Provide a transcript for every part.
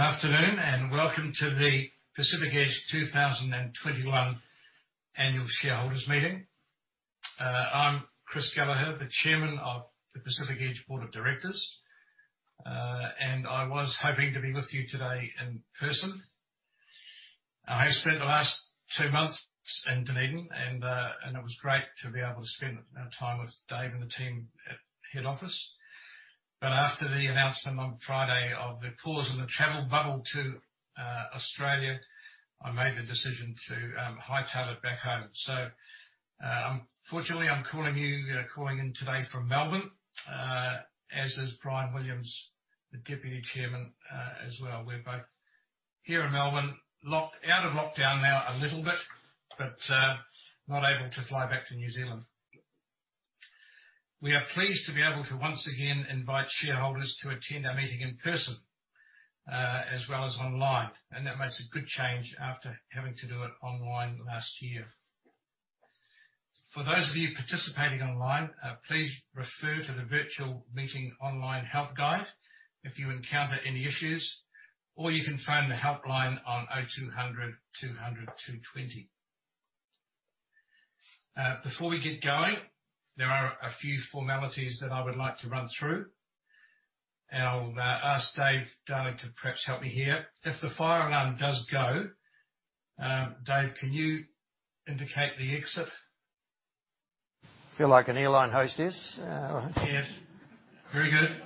Good afternoon, welcome to the Pacific Edge 2021 annual shareholders meeting. I'm Chris Gallaher, the Chairman of the Pacific Edge Board of Directors, and I was hoping to be with you today in person. I spent the last two months in Dunedin, and it was great to be able to spend time with Dave and the team at head office. After the announcement on Friday of the pause of the travel bubble to Australia, I made the decision to hightail it back home. Unfortunately, I'm calling in today from Melbourne, as is Bryan Williams, the Deputy Chairman as well. We're both here in Melbourne, out of lockdown now a little bit, but not able to fly back to New Zealand. We are pleased to be able to once again invite shareholders to attend our meeting in person, as well as online, and that makes a good change after having to do it online last year. For those of you participating online, please refer to the virtual meeting online help guide if you encounter any issues, or you can phone the helpline on 0200-200-220. Before we get going, there are a few formalities that I would like to run through. I'll ask David Darling to perhaps help me here. If the fire alarm does go, Dave, can you indicate the exit? Feel like an airline hostess. Yes. Very good.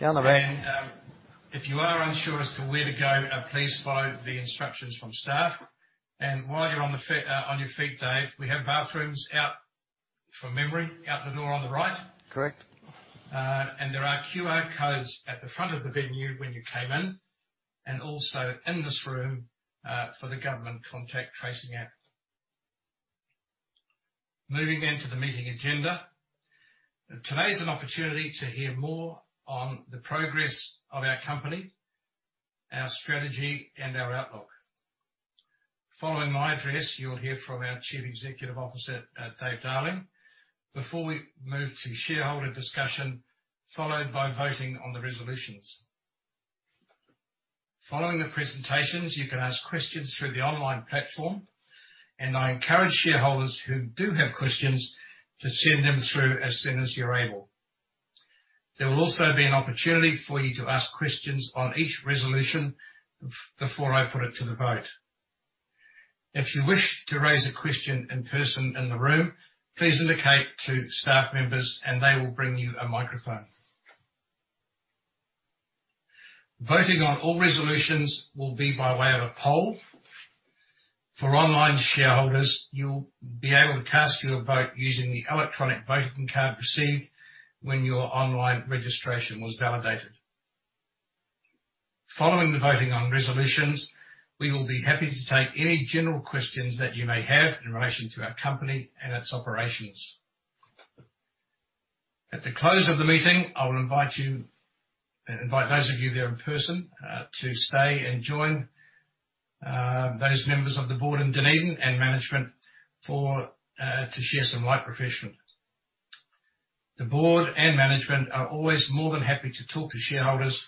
Down the back. If you are unsure as to where to go, please follow the instructions from staff. While you're on your feet, Dave, we have bathrooms out, from memory, out the door on the right. Correct. There are QR codes at the front of the venue when you came in, and also in this room, for the government contact tracing app. Moving to the meeting agenda. Today is an opportunity to hear more on the progress of our company, our strategy, and our outlook. Following my address, you'll hear from our Chief Executive Officer, David Darling, before we move to shareholder discussion, followed by voting on the resolutions. Following the presentations, you can ask questions through the online platform, and I encourage shareholders who do have questions to send them through as soon as you're able. There will also be an opportunity for you to ask questions on each resolution before I put it to the vote. If you wish to raise a question in person in the room, please indicate to staff members and they will bring you a microphone. Voting on all resolutions will be by way of a poll. For online shareholders, you'll be able to cast your vote using the electronic voting card received when your online registration was validated. Following the voting on resolutions, we will be happy to take any general questions that you may have in relation to our company and its operations. At the close of the meeting, I will invite those of you there in person to stay and join those members of the board in Dunedin and management to share some light refreshment. The board and management are always more than happy to talk to shareholders.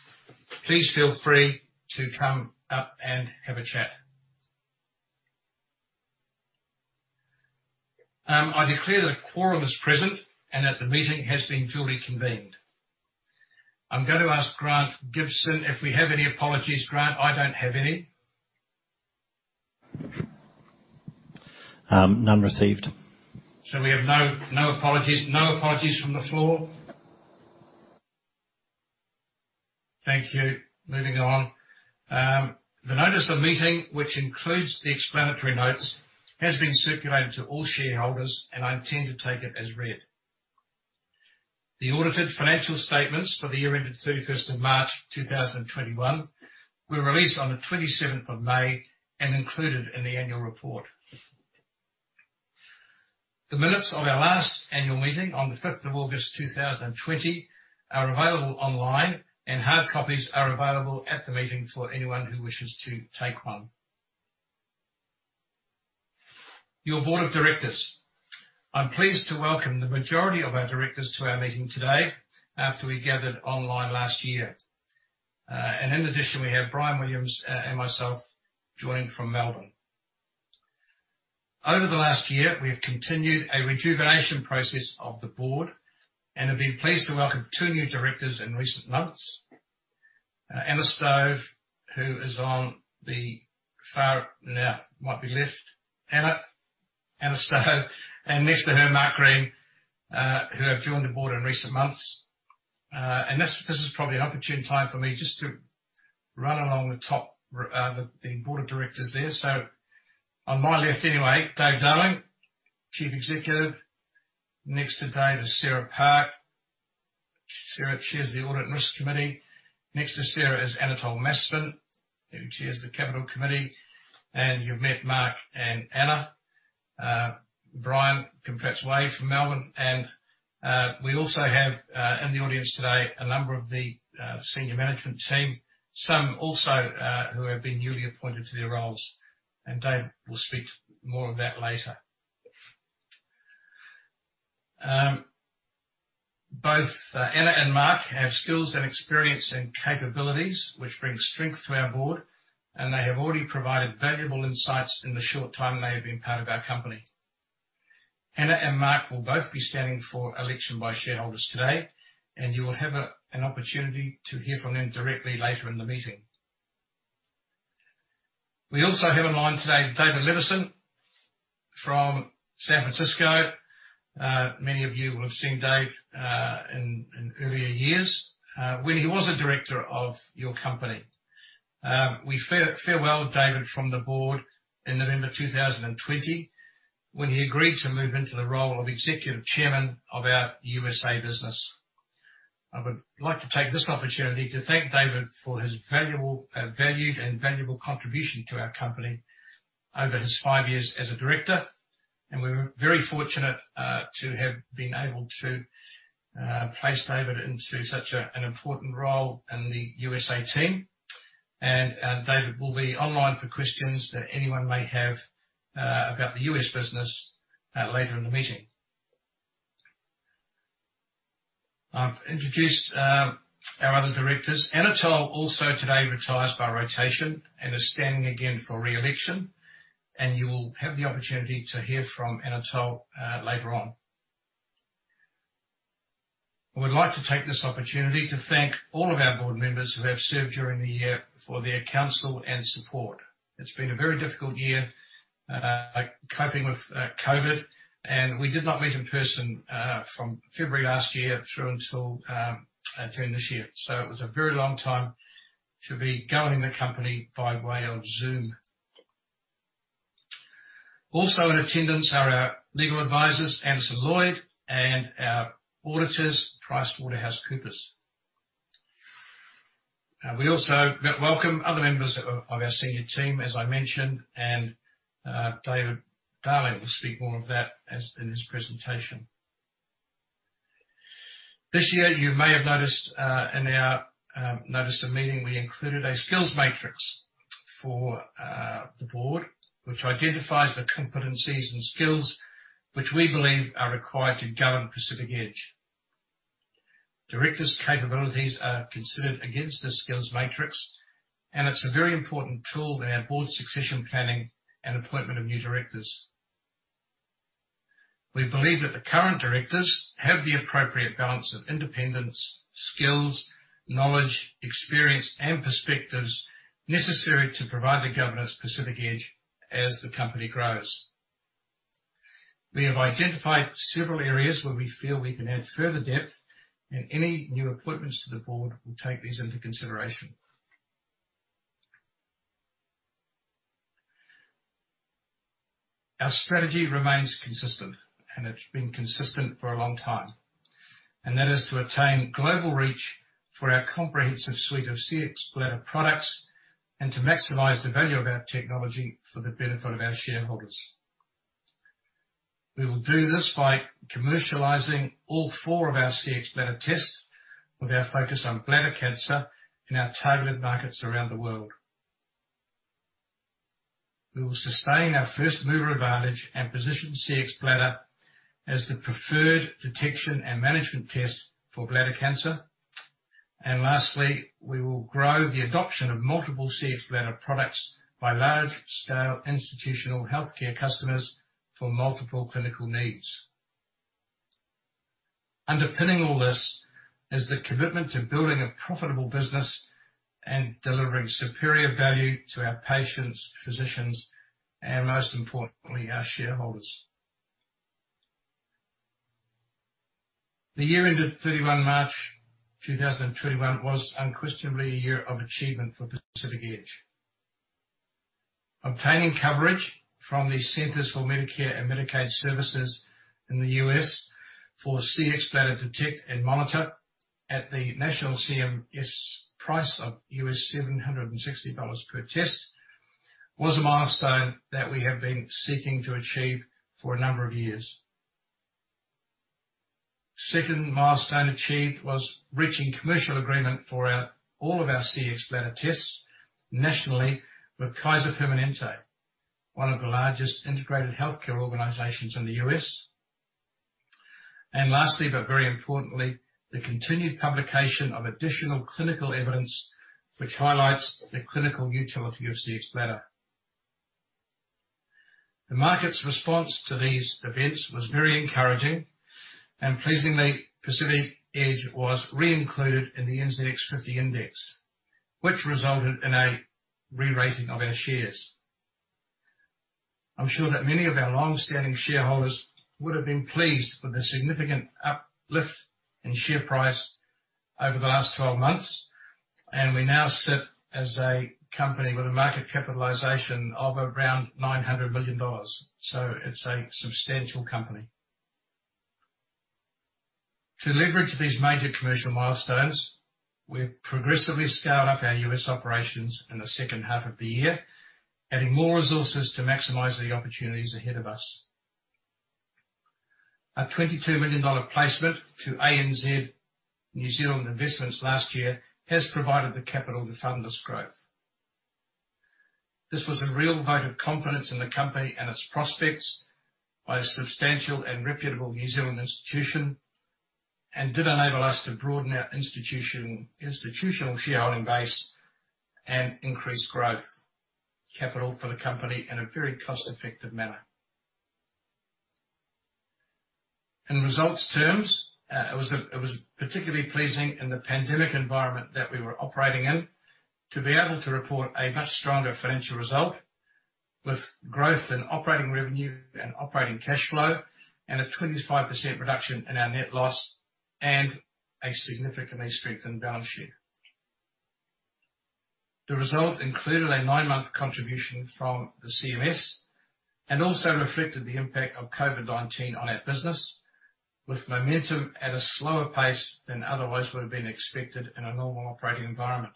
Please feel free to come up and have a chat. I declare that a quorum is present and that the meeting has been duly convened. I'm going to ask Grant Gibson if we have any apologies. Grant, I don't have any. None received. We have no apologies. No apologies from the floor? Thank you. Moving on. The notice of meeting, which includes the explanatory notes, has been circulated to all shareholders, and I intend to take it as read. The audited financial statements for the year ended 31st of March 2021 were released on the 27th of May and included in the annual report. The minutes of our last annual meeting on the 5th of August 2020 are available online, and hard copies are available at the meeting for anyone who wishes to take one. Your board of directors. I'm pleased to welcome the majority of our directors to our meeting today after we gathered online last year. In addition, we have Bryan Williams and myself joining from Melbourne. Over the last year, we have continued a rejuvenation process of the board and have been pleased to welcome two new directors in recent months. Anna Stove, who is on the far, now might be left. Anna Stove. Next to her, Mark Green, who have joined the board in recent months. This is probably an opportune time for me just to run along the top, the board of directors there. On my left anyway, David Darling, Chief Executive. Next to David is Sarah Park. Sarah chairs the Audit and Risk Committee. Next to Sarah is Anatole Masfen, who chairs the Capital Committee. You've met Mark and Anna. Bryan, perhaps wave from Melbourne. We also have, in the audience today, a number of the senior management team, some also who have been newly appointed to their roles. Dave will speak more of that later. Both Anna Stove and Mark Green have skills and experience and capabilities which bring strength to our board, and they have already provided valuable insights in the short time they have been part of our company. Anna Stove and Mark Green will both be standing for election by shareholders today, and you will have an opportunity to hear from them directly later in the meeting. We also have online today David Levison from San Francisco. Many of you will have seen Dave in earlier years, when he was a director of your company. We farewell David Levison from the board in November 2020, when he agreed to move into the role of Executive Chairman of our USA business. I would like to take this opportunity to thank David for his valued and valuable contribution to our company over his five years as a director, and we're very fortunate to have been able to place David into such an important role in the USA team. David will be online for questions that anyone may have about the U.S. business later in the meeting. I've introduced our other directors. Anatole also today retires by rotation and is standing again for re-election, and you will have the opportunity to hear from Anatole later on. I would like to take this opportunity to thank all of our board members who have served during the year for their counsel and support. It's been a very difficult year coping with COVID, and we did not meet in person from February last year through until June this year. It was a very long time to be governing the company by way of Zoom. Also in attendance are our legal advisors, Anderson Lloyd, and our auditors, PricewaterhouseCoopers. We also welcome other members of our senior team, as I mentioned, and David Darling will speak more of that in his presentation. This year, you may have noticed in our notice of meeting, we included a skills matrix for the board, which identifies the competencies and skills which we believe are required to govern Pacific Edge. Directors' capabilities are considered against this skills matrix, and it's a very important tool in our board succession planning and appointment of new directors. We believe that the current directors have the appropriate balance of independence, skills, knowledge, experience and perspectives necessary to provide the governance Pacific Edge as the company grows. We have identified several areas where we feel we can add further depth, and any new appointments to the board will take these into consideration. Our strategy remains consistent, and it's been consistent for a long time, and that is to attain global reach for our comprehensive suite of Cxbladder products and to maximize the value of our technology for the benefit of our shareholders. We will do this by commercializing all four of our Cxbladder tests with our focus on bladder cancer in our targeted markets around the world. We will sustain our first-mover advantage and position Cxbladder as the preferred detection and management test for bladder cancer. Lastly, we will grow the adoption of multiple Cxbladder products by large-scale institutional healthcare customers for multiple clinical needs. Underpinning all this is the commitment to building a profitable business and delivering superior value to our patients, physicians, and most importantly, our shareholders. The year ended 31 March, 2021 was unquestionably a year of achievement for Pacific Edge. Obtaining coverage from the Centers for Medicare & Medicaid Services in the U.S. for Cxbladder Detect and Monitor at the national CMS price of $760 per test was a milestone that we have been seeking to achieve for a number of years. Second milestone achieved was reaching commercial agreement for all of our Cxbladder tests nationally with Kaiser Permanente, one of the largest integrated healthcare organizations in the U.S. Lastly, but very importantly, the continued publication of additional clinical evidence which highlights the clinical utility of Cxbladder. The market's response to these events was very encouraging and pleasingly, Pacific Edge was re-included in the NZX 50 Index, which resulted in a re-rating of our shares. I'm sure that many of our longstanding shareholders would have been pleased with the significant uplift in share price over the last 12 months, and we now sit as a company with a market capitalization of around 900 million dollars. It's a substantial company. To leverage these major commercial milestones, we've progressively scaled up our U.S. operations in the second half of the year, adding more resources to maximize the opportunities ahead of us. Our 22 million dollar placement to ANZ New Zealand Investments last year has provided the capital to fund this growth. This was a real vote of confidence in the company and its prospects by a substantial and reputable New Zealand institution, and did enable us to broaden our institutional shareholding base and increase growth capital for the company in a very cost-effective manner. In results terms, it was particularly pleasing in the pandemic environment that we were operating in to be able to report a much stronger financial result, with growth in operating revenue and operating cash flow, and a 25% reduction in our net loss, and a significantly strengthened balance sheet. The result included a nine-month contribution from the CMS and also reflected the impact of COVID-19 on our business, with momentum at a slower pace than otherwise would've been expected in a normal operating environment.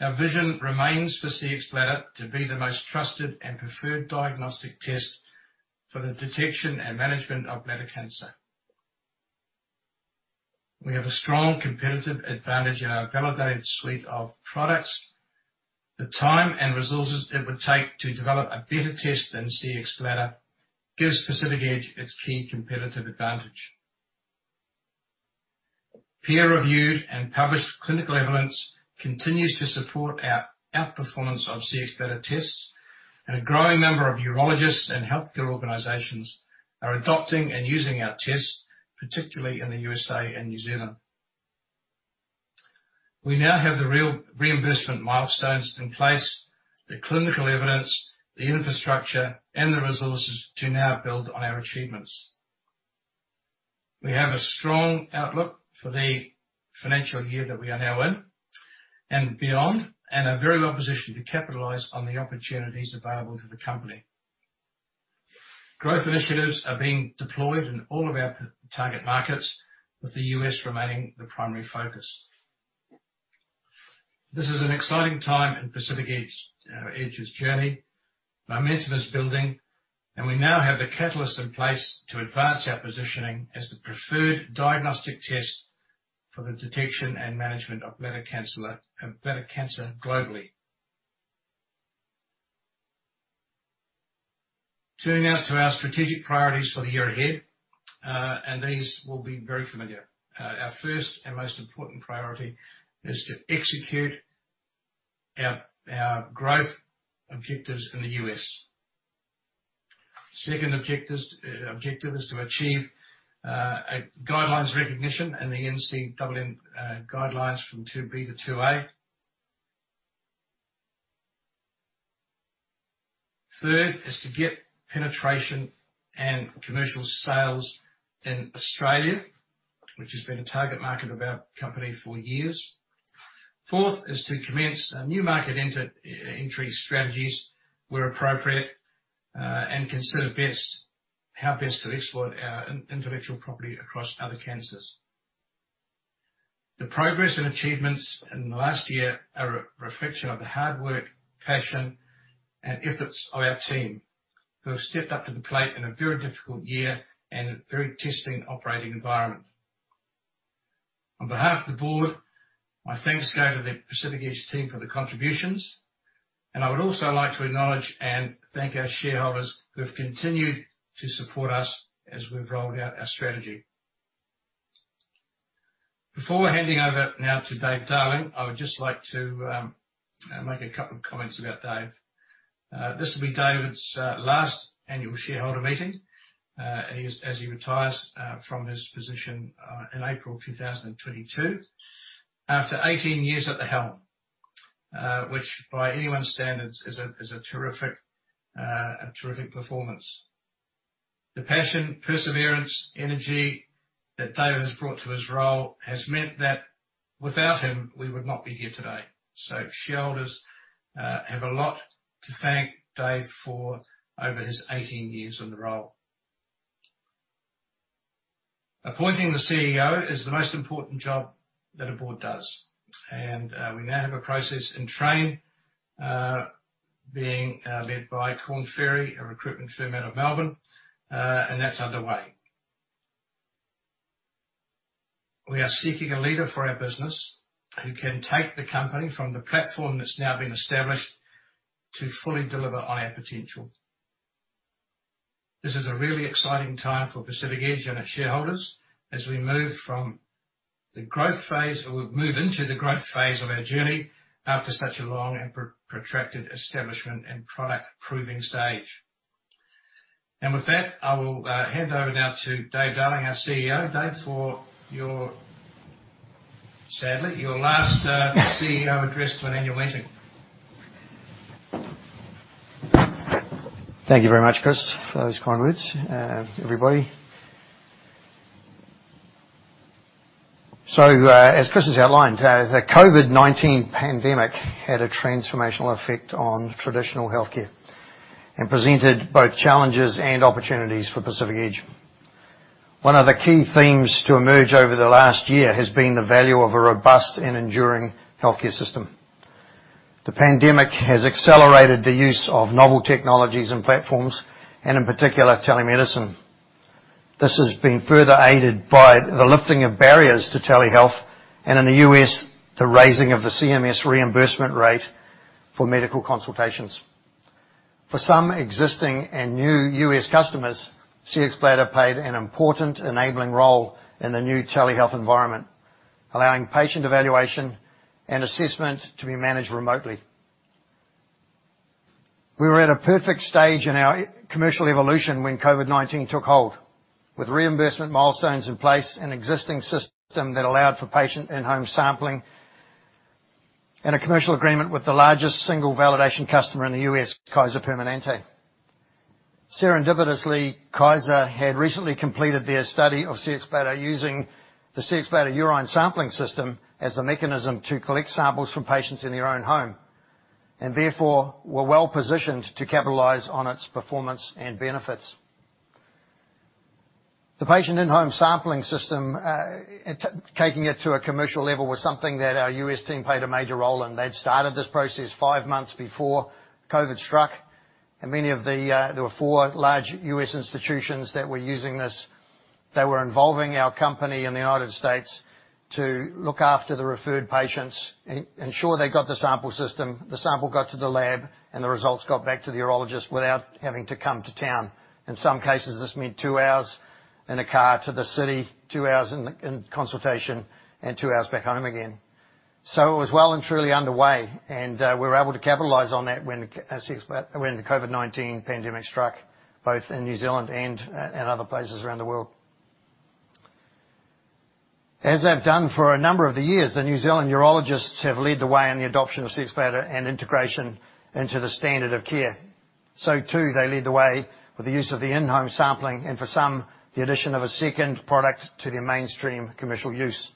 Our vision remains for Cxbladder to be the most trusted and preferred diagnostic test for the detection and management of bladder cancer. We have a strong competitive advantage in our validated suite of products. The time and resources it would take to develop a better test than Cxbladder gives Pacific Edge its key competitive advantage. Peer-reviewed and published clinical evidence continues to support our outperformance of Cxbladder tests, and a growing number of urologists and healthcare organizations are adopting and using our tests, particularly in the U.S. and New Zealand. We now have the reimbursement milestones in place, the clinical evidence, the infrastructure, and the resources to now build on our achievements. We have a strong outlook for the financial year that we are now in and beyond, and are very well positioned to capitalize on the opportunities available to the company. Growth initiatives are being deployed in all of our target markets, with the U.S. remaining the primary focus. This is an exciting time in Pacific Edge's journey. Momentum is building, we now have the catalyst in place to advance our positioning as the preferred diagnostic test for the detection and management of bladder cancer globally. Turning now to our strategic priorities for the year ahead, these will be very familiar. Our first and most important priority is to execute our growth objectives in the U.S. Second objective is to achieve guidelines recognition in the NCCN guidelines from 2B to 2A. Third is to get penetration and commercial sales in Australia, which has been a target market of our company for years. Fourth is to commence new market entry strategies where appropriate, consider how best to exploit our intellectual property across other cancers. The progress and achievements in the last year are a reflection of the hard work, passion, and efforts of our team, who have stepped up to the plate in a very difficult year and a very testing operating environment. On behalf of the board, my thanks go to the Pacific Edge team for the contributions. I would also like to acknowledge and thank our shareholders who have continued to support us as we've rolled out our strategy. Before handing over now to David Darling, I would just like to make a couple of comments about Dave. This will be David's last annual shareholder meeting as he retires from his position in April 2022, after 18 years at the helm, which by anyone's standards is a terrific performance. The passion, perseverance, energy that Dave has brought to his role has meant that without him, we would not be here today. Shareholders have a lot to thank David Darling for over his 18 years in the role. Appointing the CEO is the most important job that a board does, and we now have a process in train, being led by Korn Ferry, a recruitment firm out of Melbourne, and that's underway. We are seeking a leader for our business who can take the company from the platform that's now been established to fully deliver on our potential. This is a really exciting time for Pacific Edge and its shareholders as we move into the growth phase of our journey after such a long and protracted establishment and product proving stage. With that, I will hand over now to David Darling, our CEO. David Darling, for your, sadly, your last CEO address to an annual meeting. Thank you very much, Chris, for those kind words. Everybody. As Chris has outlined, the COVID-19 pandemic had a transformational effect on traditional healthcare and presented both challenges and opportunities for Pacific Edge. One of the key themes to emerge over the last year has been the value of a robust and enduring healthcare system. The pandemic has accelerated the use of novel technologies and platforms, and in particular, telemedicine. This has been further aided by the lifting of barriers to telehealth, and in the U.S., the raising of the CMS reimbursement rate for medical consultations. For some existing and new U.S. customers, Cxbladder played an important enabling role in the new telehealth environment, allowing patient evaluation and assessment to be managed remotely. We were at a perfect stage in our commercial evolution when COVID-19 took hold, with reimbursement milestones in place, an existing system that allowed for patient in-home sampling, and a commercial agreement with the largest single validation customer in the U.S., Kaiser Permanente. Serendipitously, Kaiser had recently completed their study of Cxbladder using the Cxbladder urine sampling system as the mechanism to collect samples from patients in their own home, and therefore were well-positioned to capitalize on its performance and benefits. The patient in-home sampling system, taking it to a commercial level, was something that our U.S. team played a major role in. They had started this process five months before COVID struck. There were four large U.S. institutions that were using this, that were involving our company in the United States to look after the referred patients, ensure they got the sample system, the sample got to the lab, and the results got back to the urologist without having to come to town. In some cases, this meant two hours in a car to the city, two hours in consultation, and two hours back home again. It was well and truly underway, and we were able to capitalize on that when the COVID-19 pandemic struck, both in New Zealand and other places around the world. As they've done for a number of the years, the New Zealand urologists have led the way in the adoption of Cxbladder and integration into the standard of care. They lead the way with the use of the in-home sampling, and for some, the addition of a second product to their mainstream commercial use.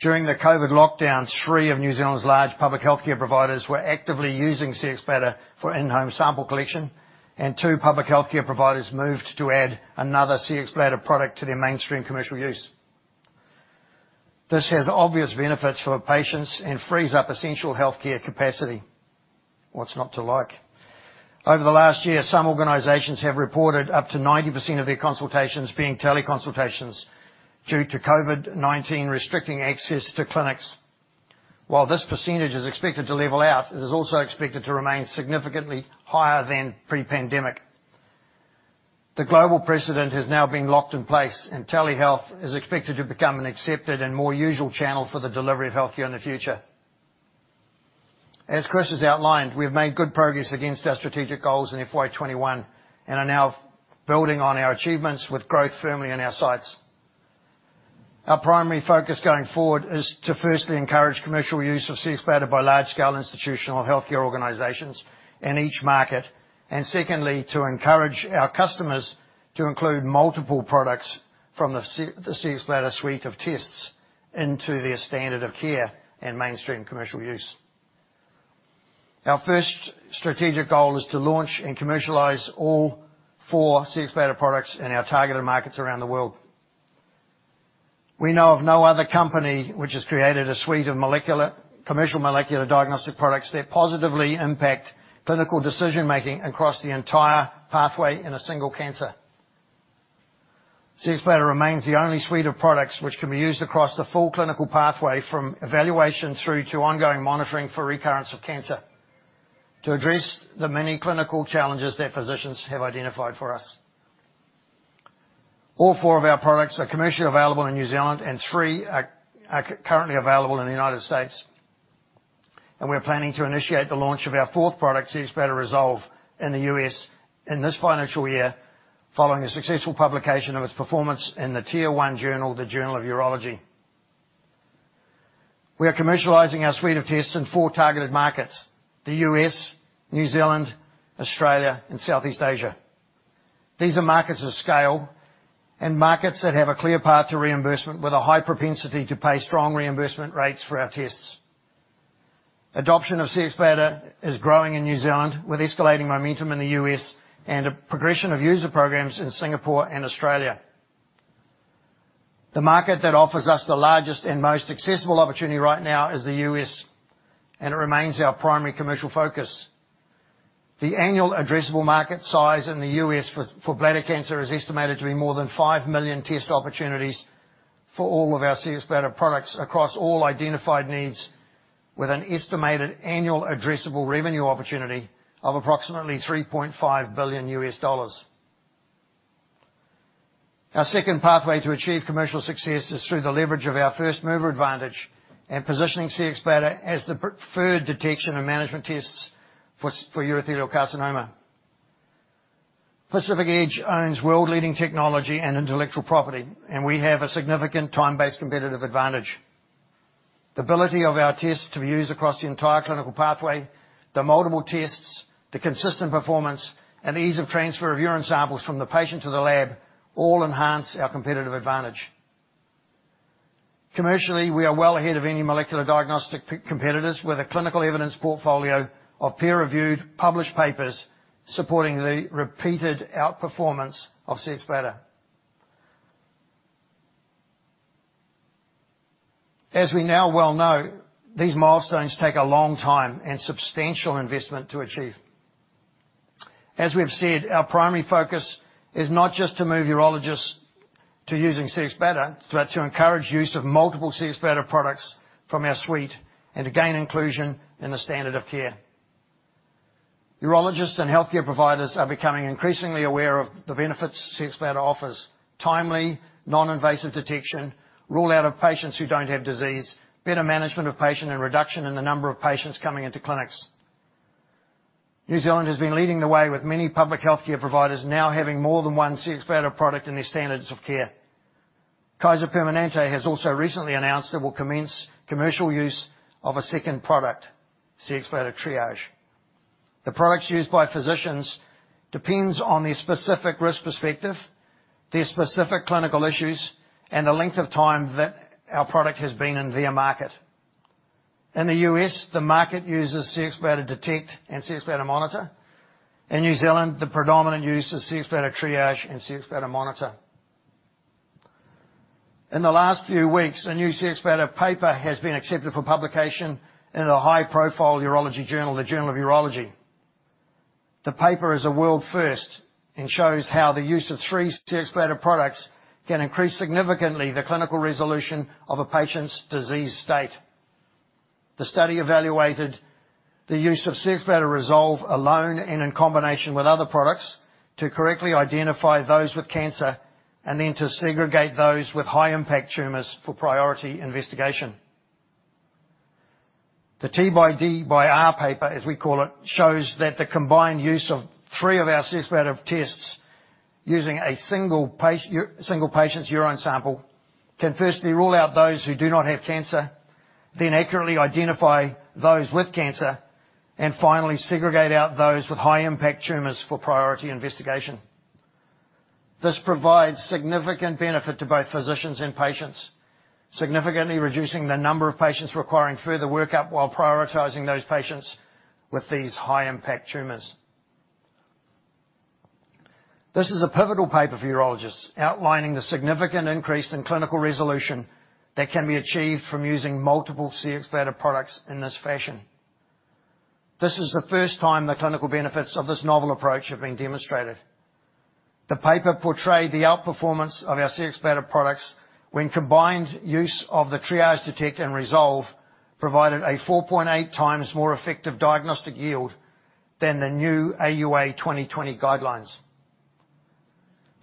During the COVID lockdowns, three of New Zealand's large public healthcare providers were actively using Cxbladder for in-home sample collection, and two public healthcare providers moved to add another Cxbladder product to their mainstream commercial use. This has obvious benefits for the patients and frees up essential healthcare capacity. What's not to like? Over the last year, some organizations have reported up to 90% of their consultations being teleconsultations due to COVID-19 restricting access to clinics. While this percentage is expected to level out, it is also expected to remain significantly higher than pre-pandemic. The global precedent has now been locked in place, telehealth is expected to become an accepted and more usual channel for the delivery of healthcare in the future. As Chris has outlined, we've made good progress against our strategic goals in FY 2021 and are now building on our achievements with growth firmly in our sights. Our primary focus going forward is to firstly encourage commercial use of Cxbladder by large-scale institutional healthcare organizations in each market. Secondly, to encourage our customers to include multiple products from the Cxbladder suite of tests into their standard of care and mainstream commercial use. Our first strategic goal is to launch and commercialize all four Cxbladder products in our targeted markets around the world. We know of no other company which has created a suite of commercial molecular diagnostic products that positively impact clinical decision-making across the entire pathway in a single cancer. Cxbladder remains the only suite of products which can be used across the full clinical pathway from evaluation through to ongoing monitoring for recurrence of cancer to address the many clinical challenges that physicians have identified for us. All four of our products are commercially available in New Zealand, three are currently available in the U.S. We're planning to initiate the launch of our fourth product, Cxbladder Resolve, in the U.S. in this financial year, following the successful publication of its performance in the tier one journal, "The Journal of Urology." We are commercializing our suite of tests in four targeted markets, the U.S., New Zealand, Australia, and Southeast Asia. These are markets of scale and markets that have a clear path to reimbursement with a high propensity to pay strong reimbursement rates for our tests. Adoption of Cxbladder is growing in New Zealand, with escalating momentum in the U.S. and a progression of user programs in Singapore and Australia. The market that offers us the largest and most accessible opportunity right now is the U.S., and it remains our primary commercial focus. The annual addressable market size in the U.S. for bladder cancer is estimated to be more than five million test opportunities for all of our Cxbladder products across all identified needs, with an estimated annual addressable revenue opportunity of approximately $3.5 billion. Our second pathway to achieve commercial success is through the leverage of our first-mover advantage and positioning Cxbladder as the preferred detection and management tests for urothelial carcinoma. Pacific Edge owns world-leading technology and intellectual property, and we have a significant time-based competitive advantage. The ability of our tests to be used across the entire clinical pathway, the multiple tests, the consistent performance, and the ease of transfer of urine samples from the patient to the lab all enhance our competitive advantage. Commercially, we are well ahead of any molecular diagnostic competitors, with a clinical evidence portfolio of peer-reviewed, published papers supporting the repeated outperformance of Cxbladder. As we now well know, these milestones take a long time and substantial investment to achieve. As we have said, our primary focus is not just to move urologists to using Cxbladder, but to encourage use of multiple Cxbladder products from our suite and to gain inclusion in the standard of care. Urologists and healthcare providers are becoming increasingly aware of the benefits Cxbladder offers, timely, non-invasive detection, rule out of patients who don't have disease, better management of patient, and reduction in the number of patients coming into clinics. New Zealand has been leading the way with many public healthcare providers now having more than one Cxbladder product in their standards of care. Kaiser Permanente has also recently announced it will commence commercial use of a second product, Cxbladder Triage. The products used by physicians depends on their specific risk perspective, their specific clinical issues, and the length of time that our product has been in their market. In the U.S., the market uses Cxbladder Detect and Cxbladder Monitor. In New Zealand, the predominant use is Cxbladder Triage and Cxbladder Monitor. In the last few weeks, a new Cxbladder paper has been accepted for publication in a high-profile urology journal, The Journal of Urology. The paper is a world first and shows how the use of three Cxbladder products can increase significantly the clinical resolution of a patient's disease state. The study evaluated the use of Cxbladder Resolve alone and in combination with other products to correctly identify those with cancer, and then to segregate those with high-impact tumors for priority investigation. The TDR paper, as we call it, shows that the combined use of three of our Cxbladder tests using a single patient's urine sample can firstly rule out those who do not have cancer, then accurately identify those with cancer, and finally segregate out those with high-impact tumors for priority investigation. This provides significant benefit to both physicians and patients, significantly reducing the number of patients requiring further workup while prioritizing those patients with these high-impact tumors. This is a pivotal paper for urologists outlining the significant increase in clinical resolution that can be achieved from using multiple Cxbladder products in this fashion. This is the first time the clinical benefits of this novel approach have been demonstrated. The paper portrayed the outperformance of our Cxbladder products when combined use of the Triage, Detect, and Resolve provided a 4.8 times more effective diagnostic yield than the new AUA 2020 guidelines.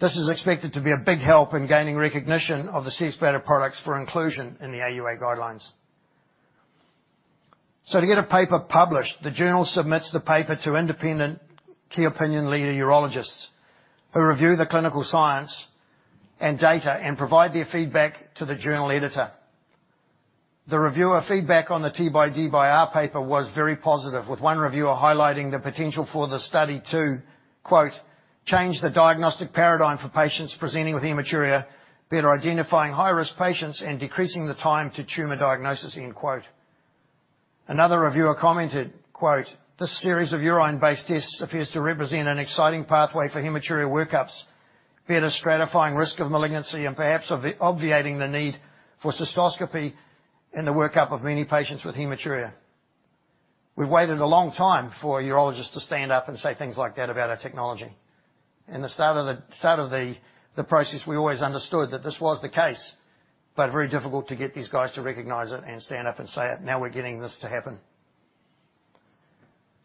This is expected to be a big help in gaining recognition of the Cxbladder products for inclusion in the AUA guidelines. To get a paper published, the journal submits the paper to independent key opinion leader urologists, who review the clinical science and data and provide their feedback to the journal editor. The reviewer feedback on the T by D by R paper was very positive, with one reviewer highlighting the potential for the study to, "Change the diagnostic paradigm for patients presenting with hematuria, better identifying high-risk patients, and decreasing the time to tumor diagnosis." Another reviewer commented, "This series of urine-based tests appears to represent an exciting pathway for hematuria workups, better stratifying risk of malignancy, and perhaps obviating the need for cystoscopy in the workup of many patients with hematuria." We've waited a long time for urologists to stand up and say things like that about our technology. In the start of the process, we always understood that this was the case, but very difficult to get these guys to recognize it and stand up and say it. Now we're getting this to happen.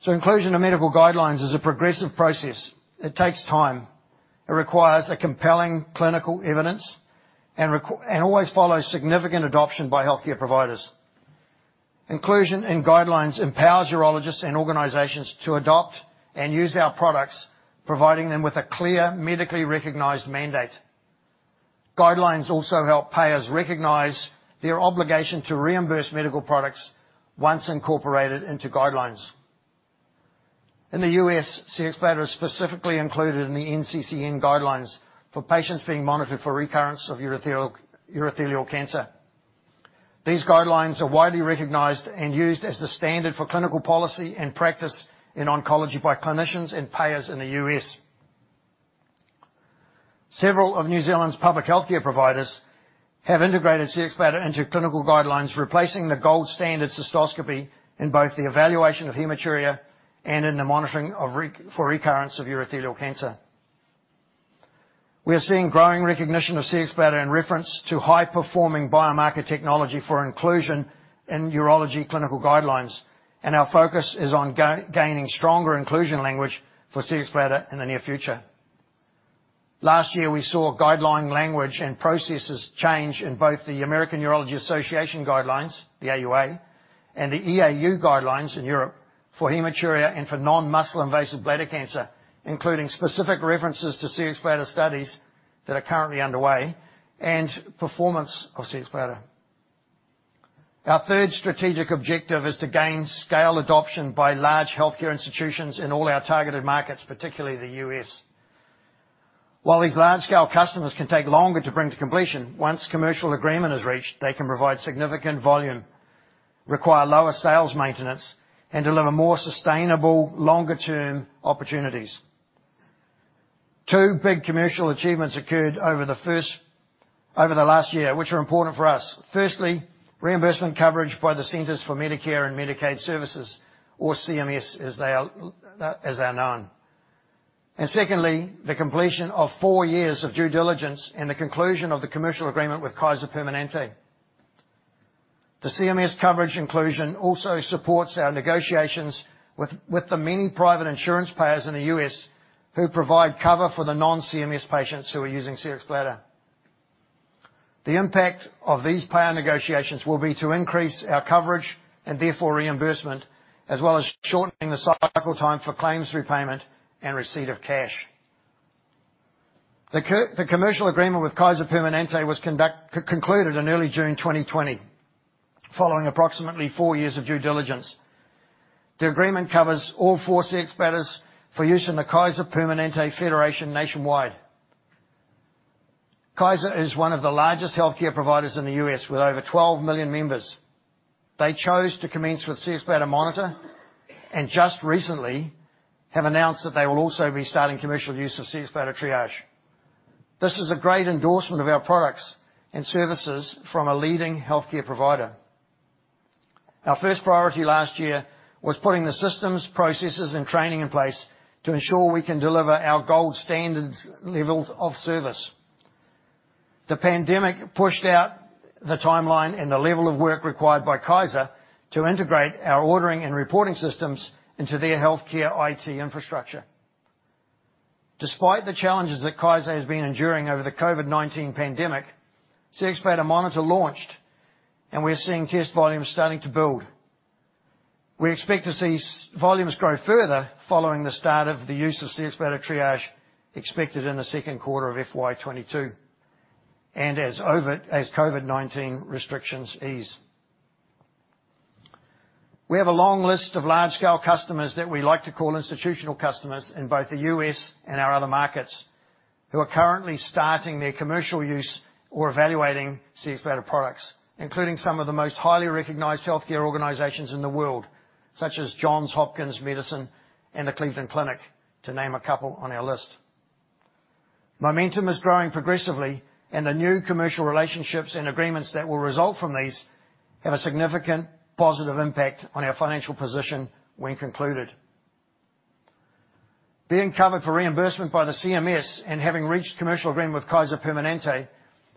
Inclusion in medical guidelines is a progressive process. It takes time. It requires a compelling clinical evidence and always follows significant adoption by healthcare providers. Inclusion in guidelines empowers urologists and organizations to adopt and use our products, providing them with a clear, medically recognized mandate. Guidelines also help payers recognize their obligation to reimburse medical products once incorporated into guidelines. In the U.S., Cxbladder is specifically included in the NCCN guidelines for patients being monitored for recurrence of urothelial cancer. These guidelines are widely recognized and used as the standard for clinical policy and practice in oncology by clinicians and payers in the U.S. Several of New Zealand's public healthcare providers have integrated Cxbladder into clinical guidelines, replacing the gold standard cystoscopy in both the evaluation of hematuria and in the monitoring for recurrence of urothelial carcinoma. We are seeing growing recognition of Cxbladder in reference to high-performing biomarker technology for inclusion in urology clinical guidelines, and our focus is on gaining stronger inclusion language for Cxbladder in the near future. Last year, we saw guideline language and processes change in both the American Urological Association guidelines, the AUA, and the EAU guidelines in Europe for hematuria and for non-muscle invasive bladder cancer, including specific references to Cxbladder studies that are currently underway and performance of Cxbladder. Our third strategic objective is to gain scale adoption by large healthcare institutions in all our targeted markets, particularly the U.S. While these large-scale customers can take longer to bring to completion, once commercial agreement is reached, they can provide significant volume, require lower sales maintenance, and deliver more sustainable longer-term opportunities. Two big commercial achievements occurred over the last year, which are important for us. Firstly, reimbursement coverage by the Centers for Medicare & Medicaid Services, or CMS, as they are known. Secondly, the completion of four years of due diligence and the conclusion of the commercial agreement with Kaiser Permanente. The CMS coverage inclusion also supports our negotiations with the many private insurance payers in the U.S. who provide cover for the non-CMS patients who are using Cxbladder. The impact of these payer negotiations will be to increase our coverage, and therefore reimbursement, as well as shortening the cyclical time for claims repayment and receipt of cash. The commercial agreement with Kaiser Permanente was concluded in early June 2020, following approximately four years of due diligence. The agreement covers all four Cxbladders for use in the Kaiser Permanente Federation nationwide. Kaiser is one of the largest healthcare providers in the U.S., with over 12 million members. They chose to commence with Cxbladder Monitor, and just recently have announced that they will also be starting commercial use of Cxbladder Triage. This is a great endorsement of our products and services from a leading healthcare provider. Our first priority last year was putting the systems, processes, and training in place to ensure we can deliver our gold standards levels of service. The pandemic pushed out the timeline and the level of work required by Kaiser to integrate our ordering and reporting systems into their healthcare IT infrastructure. Despite the challenges that Kaiser has been enduring over the COVID-19 pandemic, Cxbladder Monitor launched, and we're seeing test volumes starting to build. We expect to see volumes grow further following the start of the use of Cxbladder Triage expected in the second quarter of FY 2022, and as COVID-19 restrictions ease. We have a long list of large-scale customers that we like to call institutional customers in both the U.S. and our other markets who are currently starting their commercial use or evaluating Cxbladder products, including some of the most highly recognized healthcare organizations in the world, such as Johns Hopkins Medicine and the Cleveland Clinic, to name a couple on our list. Momentum is growing progressively, and the new commercial relationships and agreements that will result from these have a significant positive impact on our financial position when concluded. Being covered for reimbursement by the CMS and having reached commercial agreement with Kaiser Permanente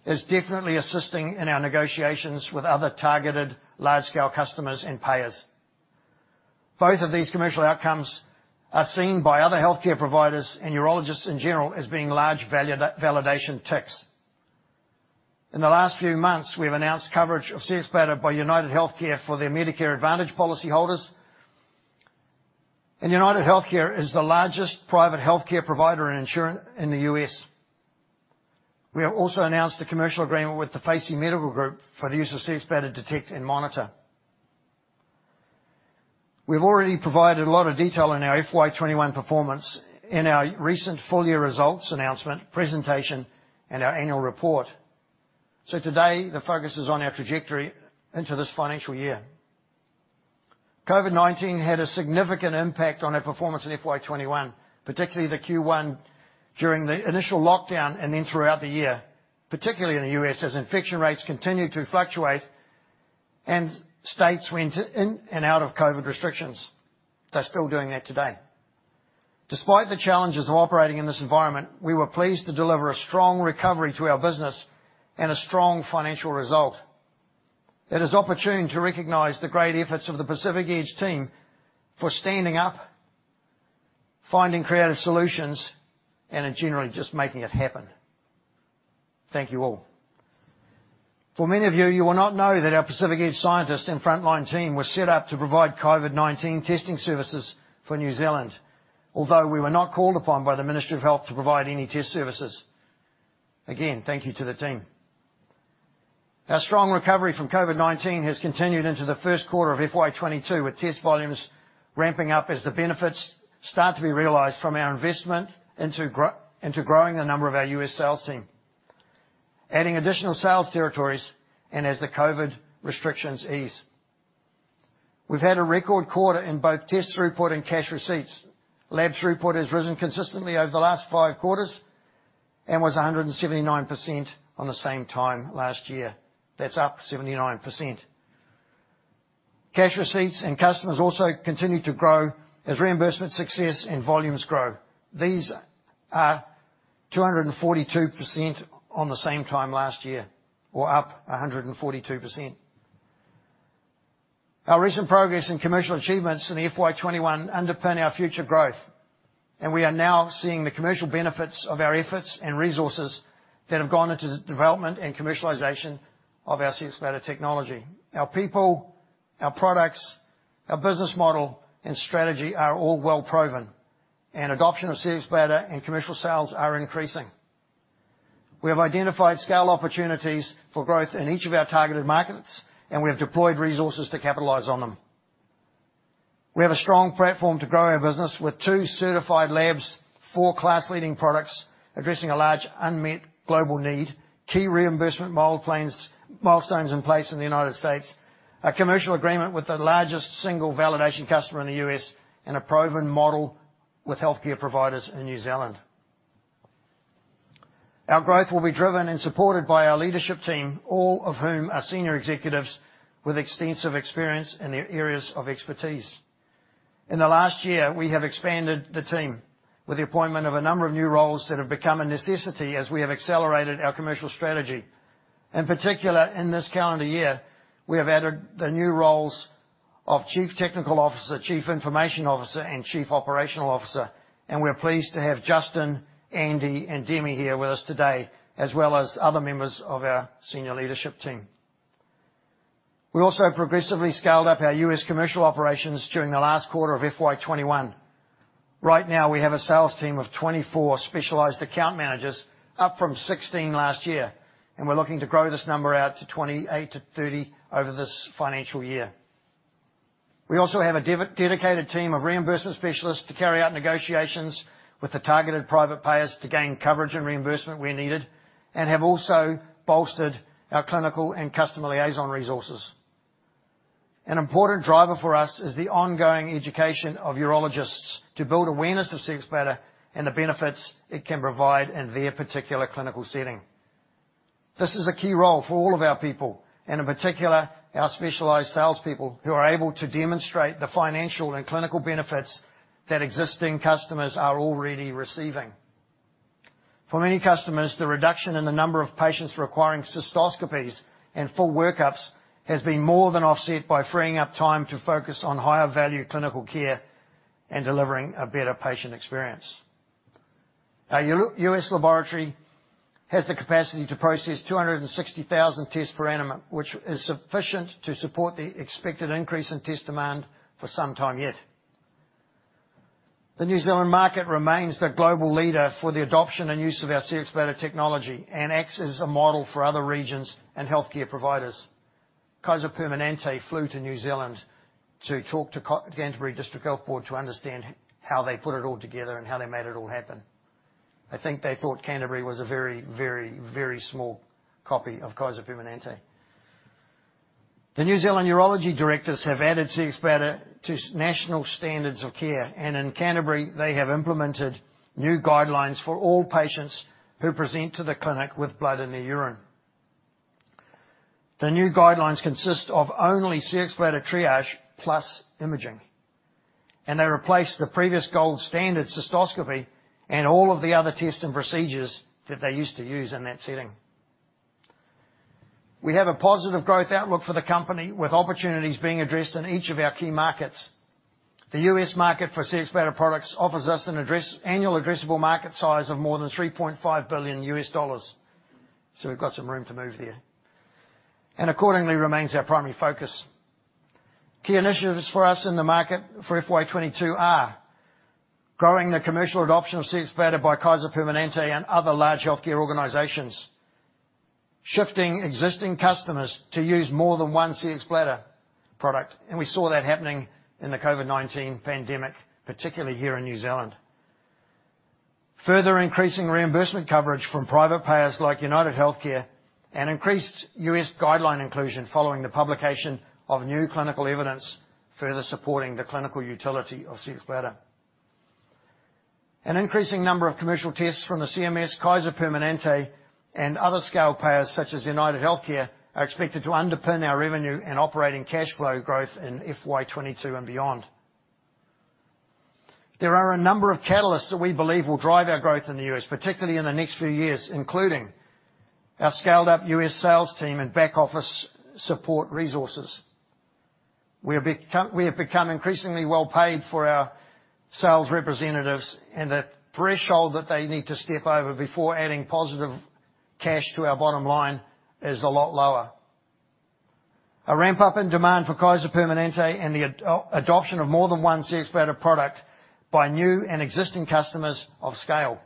is definitely assisting in our negotiations with other targeted large-scale customers and payers. Both of these commercial outcomes are seen by other healthcare providers and urologists in general as being large validation ticks. In the last few months, we have announced coverage of Cxbladder by UnitedHealthcare for their Medicare Advantage policyholders. UnitedHealthcare is the largest private healthcare provider and insurer in the U.S. We have also announced a commercial agreement with the Facey Medical Group for the use of Cxbladder Detect and Monitor. We've already provided a lot of detail in our FY 2021 performance in our recent full-year results announcement presentation and our annual report. Today, the focus is on our trajectory into this financial year. COVID-19 had a significant impact on our performance in FY 2021, particularly the Q1 during the initial lockdown and then throughout the year, particularly in the U.S. as infection rates continued to fluctuate and states went in and out of COVID restrictions. They are still doing that today. Despite the challenges of operating in this environment, we were pleased to deliver a strong recovery to our business and a strong financial result. It is opportune to recognize the great efforts of the Pacific Edge team for standing up, finding creative solutions, and generally just making it happen. Thank you all. For many of you will not know that our Pacific Edge scientists and frontline team were set up to provide COVID-19 testing services for New Zealand. Although we were not called upon by the Ministry of Health to provide any test services. Again, thank you to the team. Our strong recovery from COVID-19 has continued into the first quarter of FY 2022, with test volumes ramping up as the benefits start to be realized from our investment into growing the number of our U.S. sales team, adding additional sales territories, and as the COVID restrictions ease. We've had a record quarter in both tests reported and cash receipts. Labs report has risen consistently over the last five quarters and was 179% on the same time last year. That's up 79%. Cash receipts and customers also continue to grow as reimbursement success and volumes grow. These are 242% on the same time last year, or up 142%. Our recent progress and commercial achievements in FY 2021 underpin our future growth. We are now seeing the commercial benefits of our efforts and resources that have gone into the development and commercialization of our Cxbladder technology. Our people, our products, our business model, and strategy are all well-proven. Adoption of Cxbladder and commercial sales are increasing. We have identified scale opportunities for growth in each of our targeted markets, and we have deployed resources to capitalize on them. We have a strong platform to grow our business with two certified labs, four class-leading products addressing a large unmet global need, key reimbursement milestones in place in the U.S., a commercial agreement with the largest single validation customer in the U.S., and a proven model with healthcare providers in New Zealand. Our growth will be driven and supported by our leadership team, all of whom are senior executives with extensive experience in their areas of expertise. In the last year, we have expanded the team with the appointment of a number of new roles that have become a necessity as we have accelerated our commercial strategy. In particular, in this calendar year, we have added the new roles of Chief Technology Officer, Chief Information Officer, and Chief Operating Officer, and we're pleased to have Justin, Andy, and Demi here with us today, as well as other members of our senior leadership team. We also have progressively scaled up our U.S. commercial operations during the last quarter of FY 2021. Right now, we have a sales team of 24 specialized account managers, up from 16 last year, and we're looking to grow this number out to 28-30 over this financial year. We also have a dedicated team of reimbursement specialists to carry out negotiations with the targeted private payers to gain coverage and reimbursement where needed, and have also bolstered our clinical and customer liaison resources. An important driver for us is the ongoing education of urologists to build awareness of Cxbladder and the benefits it can provide in their particular clinical setting. This is a key role for all of our people, and in particular, our specialized salespeople, who are able to demonstrate the financial and clinical benefits that existing customers are already receiving. For many customers, the reduction in the number of patients requiring cystoscopies and full workups has been more than offset by freeing up time to focus on higher-value clinical care and delivering a better patient experience. Our U.S. laboratory has the capacity to process 260,000 tests per annum, which is sufficient to support the expected increase in test demand for some time yet. The New Zealand market remains the global leader for the adoption and use of our Cxbladder technology and acts as a model for other regions and healthcare providers. Kaiser Permanente flew to New Zealand to talk to Canterbury District Health Board to understand how they put it all together and how they made it all happen. I think they thought Canterbury was a very small copy of Kaiser Permanente. The New Zealand Urology Directors have added Cxbladder to national standards of care, and in Canterbury, they have implemented new guidelines for all patients who present to the clinic with blood in their urine. The new guidelines consist of only Cxbladder Triage plus imaging, and they replace the previous gold standard cystoscopy and all of the other tests and procedures that they used to use in that setting. We have a positive growth outlook for the company, with opportunities being addressed in each of our key markets. The U.S. market for Cxbladder products offers us an annual addressable market size of more than $3.5 billion, so we've got some room to move there, and accordingly remains our primary focus. Key initiatives for us in the market for FY 2022 are growing the commercial adoption of Cxbladder by Kaiser Permanente and other large healthcare organizations, shifting existing customers to use more than one Cxbladder product. And we saw that happening with COVID-19 pandemic, particularly here in New Zealand. Further increasing reimbursement coverage from private payers like UnitedHealthcare, and increased U.S. guideline inclusion following the publication of new clinical evidence, further supporting the clinical utility of Cxbladder. We saw that happening in the COVID-19 pandemic, particularly here in New Zealand. An increasing number of commercial tests from the CMS, Kaiser Permanente, and other scale payers such as UnitedHealthcare, are expected to underpin our revenue and operating cash flow growth in FY 2022 and beyond. There are a number of catalysts that we believe will drive our growth in the U.S., particularly in the next few years, including our scaled-up U.S. sales team and back office support resources. We're becoming increasingly well-payed for the sales representative in the threshold that they need to step over before adding positive cash to our bottom line is a lot lower. A ramp-up in demand for Kaiser Permanente and the adoption of more than one Cxbladder product by new and existing customers of scale.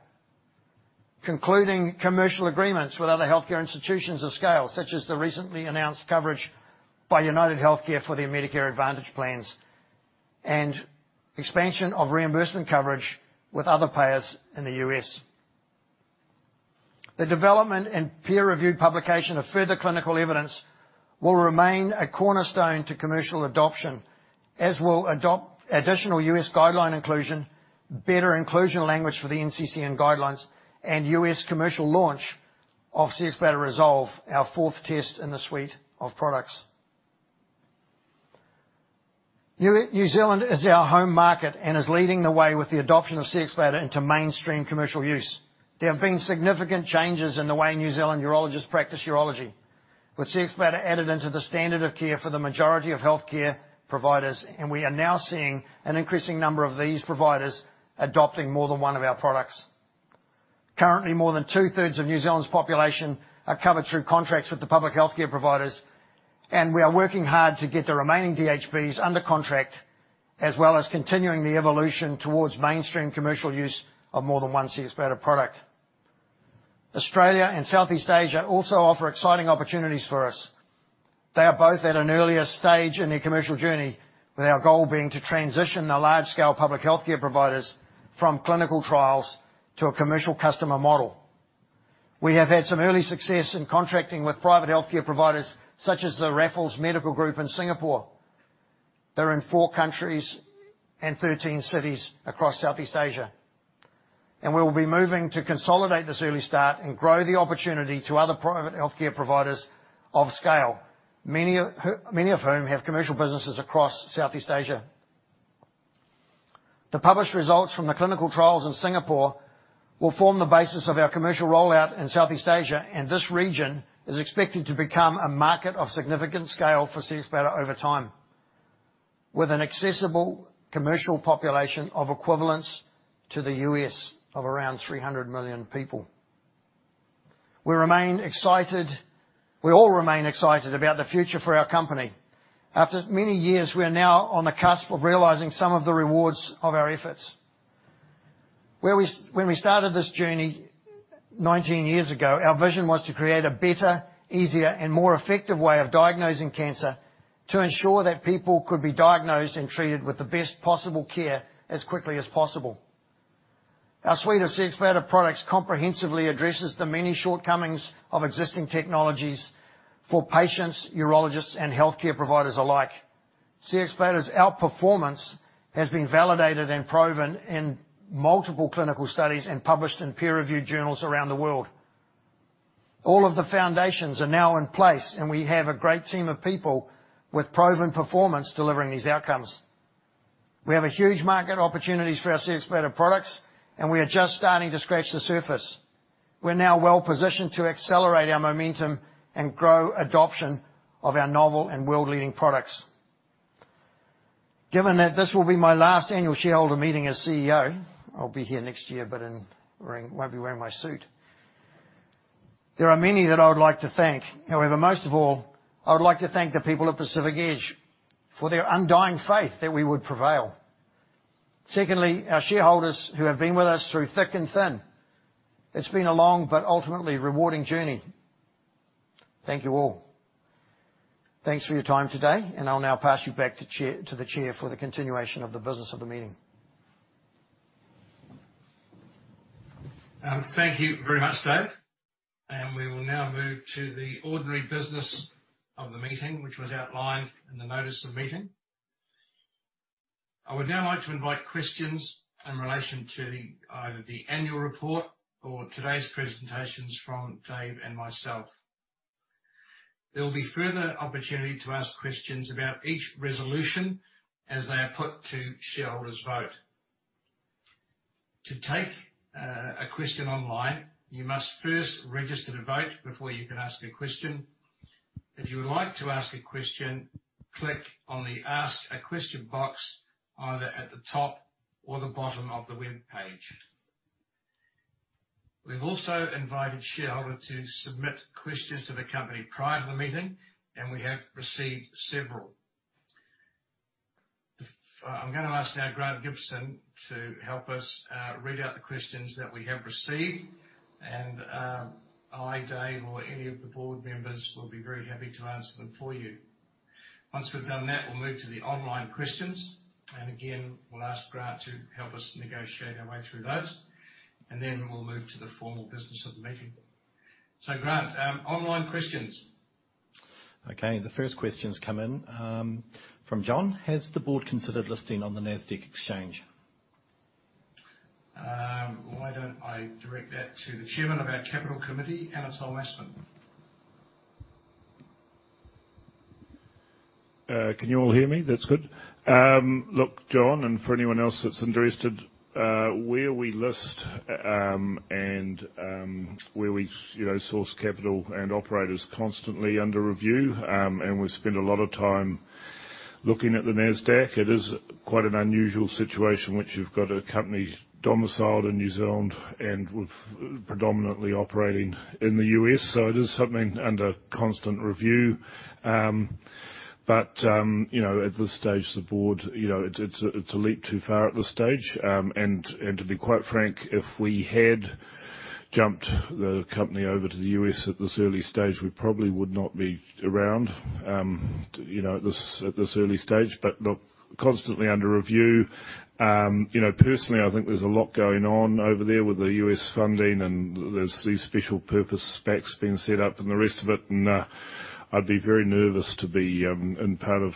Concluding commercial agreements with other healthcare institutions of scale, such as the recently announced coverage by UnitedHealthcare for their Medicare Advantage plans, Expansion of reimbursement coverage with other payers in the U.S. The development and peer-reviewed publication of further clinical evidence will remain a cornerstone to commercial adoption, as will additional U.S. guideline inclusion, better inclusion language for the NCCN guidelines, and U.S. commercial launch of Cxbladder Resolve, our fourth test in the suite of products. New Zealand is our home market and is leading the way with the adoption of Cxbladder into mainstream commercial use. There have been significant changes in the way New Zealand urologists practice urology, with Cxbladder added into the standard of care for the majority of healthcare providers, and we are now seeing an increasing number of these providers adopting more than one of our products. Currently, more than 2/3 of New Zealand's population are covered through contracts with the public healthcare providers. We are working hard to get the remaining DHBs under contract, as well as continuing the evolution towards mainstream commercial use of more than one Cxbladder product. Australia and Southeast Asia also offer exciting opportunities for us. They are both at an earlier stage in their commercial journey, with our goal being to transition the large-scale public healthcare providers from clinical trials to a commercial customer model. We have had some early success in contracting with private healthcare providers such as the Raffles Medical Group in Singapore. They're in four countries and 13 cities across Southeast Asia. We will be moving to consolidate this early start and grow the opportunity to other private healthcare providers of scale, many of whom have commercial businesses across Southeast Asia. The published results from the clinical trials in Singapore will form the basis of our commercial rollout in Southeast Asia. This region is expected to become a market of significant scale for Cxbladder over time, with an accessible commercial population of equivalence to the U.S. of around 300 million people. We all remain excited about the future for our company. After many years, we are now on the cusp of realizing some of the rewards of our efforts. When we started this journey 19 years ago, our vision was to create a better, easier, and more effective way of diagnosing cancer to ensure that people could be diagnosed and treated with the best possible care as quickly as possible. Our suite of Cxbladder products comprehensively addresses the many shortcomings of existing technologies for patients, urologists, and healthcare providers alike. Cxbladder's outperformance has been validated and proven in multiple clinical studies and published in peer-reviewed journals around the world. All of the foundations are now in place, and we have a great team of people with proven performance delivering these outcomes. We have a huge market opportunities for our Cxbladder products, and we are just starting to scratch the surface. We're now well-positioned to accelerate our momentum and grow adoption of our novel and world-leading products. Given that this will be my last annual shareholder meeting as CEO, I'll be here next year but won't be wearing my suit. There are many that I would like to thank. However, most of all, I would like to thank the people at Pacific Edge for their undying faith that we would prevail. Secondly, our shareholders who have been with us through thick and thin. It's been a long but ultimately rewarding journey. Thank you all. Thanks for your time today. I'll now pass you back to the Chair for the continuation of the business of the meeting. Thank you very much, Dave. We will now move to the ordinary business of the meeting, which was outlined in the notice of meeting. I would now like to invite questions in relation to either the annual report or today's presentations from Dave and myself. There will be further opportunity to ask questions about each resolution as they are put to shareholders vote. To take a question online, you must first register to vote before you can ask a question. If you would like to ask a question, click on the Ask a Question box either at the top or the bottom of the webpage. We've also invited shareholders to submit questions to the company prior to the meeting, and we have received several. I'm going to ask now Grant Gibson to help us read out the questions that we have received, and I, David Darling, or any of the board members will be very happy to answer them for you. Once we've done that, we'll move to the online questions, and again, we'll ask Grant to help us negotiate our way through those, and then we'll move to the formal business of the meeting. Grant, online questions. Okay. The first question's come in from John. "Has the board considered listing on the Nasdaq exchange? Why don't I direct that to the Chairman of our Capital Committee, Anatole Masfen. Can you all hear me? That's good. Look, John, and for anyone else that's interested, where we list and where we source capital and operate is constantly under review, and we spend a lot of time looking at the Nasdaq. It is quite an unusual situation, which you've got a company domiciled in New Zealand and predominantly operating in the U.S. It is something under constant review. At this stage, the board, it's a leap too far at this stage. To be quite frank, if we had jumped the company over to the U.S. at this early stage, we probably would not be around at this early stage. Look, constantly under review. Personally, I think there's a lot going on over there with the U.S. funding and there's these special purpose SPACs being set up and the rest of it, and I'd be very nervous to be in part of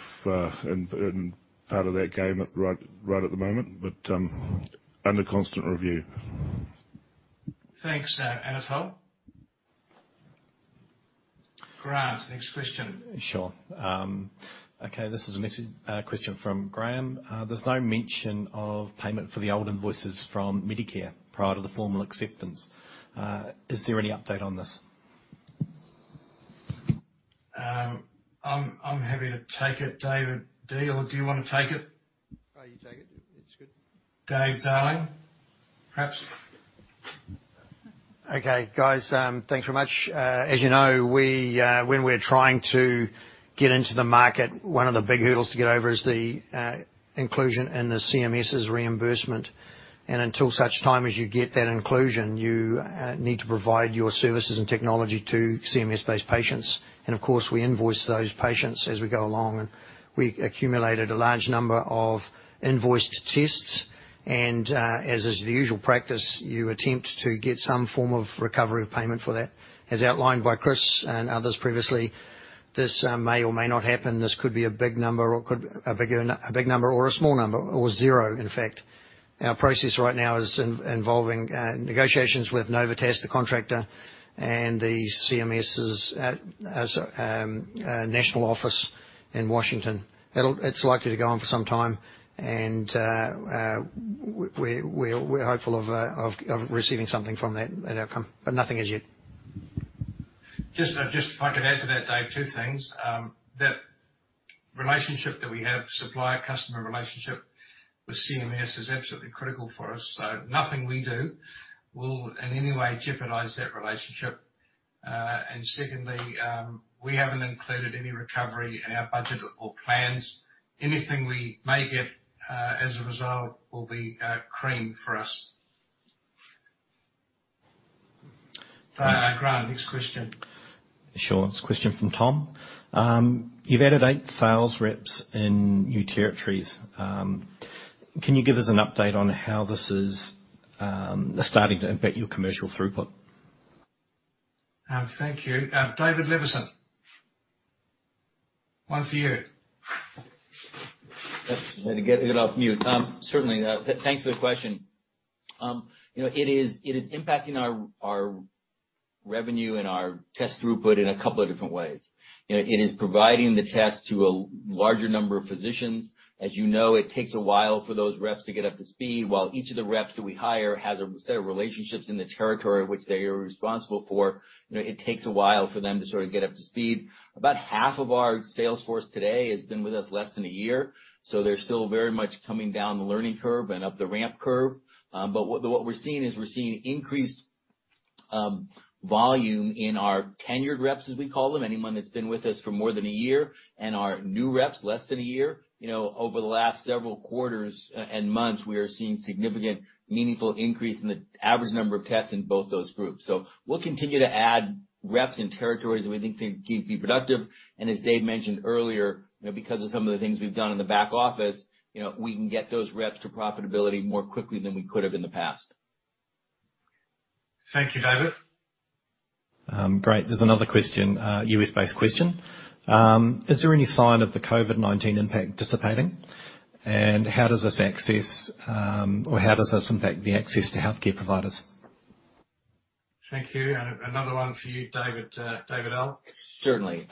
that game right at the moment. Under constant review. Thanks, Anatole. Grant, next question. Sure. Okay, this is a question from Graham. "There's no mention of payment for the old invoices from Medicare prior to the formal acceptance. Is there any update on this? I'm happy to take it, David Darling, or do you want to take it? No, you take it. It's good. David Darling, perhaps. Okay, guys, thanks very much. As you know, when we're trying to get into the market, one of the big hurdles to get over is the inclusion in the CMS's reimbursement. Until such time as you get that inclusion, you need to provide your services and technology to CMS-based patients. Of course, we invoice those patients as we go along, and we accumulated a large number of invoiced tests. As is the usual practice, you attempt to get some form of recovery payment for that. As outlined by Chris and others previously, this may or may not happen. This could be a big number or a small number, or zero, in fact. Our process right now is involving negotiations with Novitas, the contractor, and the CMS's national office in Washington. It's likely to go on for some time. We're hopeful of receiving something from that outcome, but nothing as yet. Just if I could add to that, Dave, two things. That relationship that we have, supplier-customer relationship, with CMS is absolutely critical for us. Nothing we do will in any way jeopardize that relationship. Secondly, we haven't included any recovery in our budget or plans. Anything we may get as a result will be cream for us. Grant, next question. Sure. It's a question from Tom. You've added eight sales reps in new territories. Can you give us an update on how this is starting to impact your commercial throughput? Thank you. David Levison. One for you. Had to get it off mute. Certainly. Thanks for the question. It is impacting our revenue and our test throughput in a couple of different ways. It is providing the test to a larger number of physicians. As you know, it takes a while for those reps to get up to speed. While each of the reps that we hire has a set of relationships in the territory of which they are responsible for, it takes a while for them to sort of get up to speed. About half of our sales force today has been with us less than a year, so they're still very much coming down the learning curve and up the ramp curve. What we're seeing is, we're seeing increased volume in our tenured reps, as we call them, anyone that's been with us for more than a year, and our new reps, less than a year. Over the last several quarters and months, we are seeing significant, meaningful increase in the average number of tests in both those groups. We'll continue to add reps and territories that we think can be productive, and as Dave mentioned earlier, because of some of the things we've done in the back office, we can get those reps to profitability more quickly than we could have in the past. Thank you, David. Great. There is another question, a U.S.-based question. Is there any sign of the COVID-19 impact dissipating? How does this impact the access to healthcare providers? Thank you. Another one for you, David Levison. Certainly.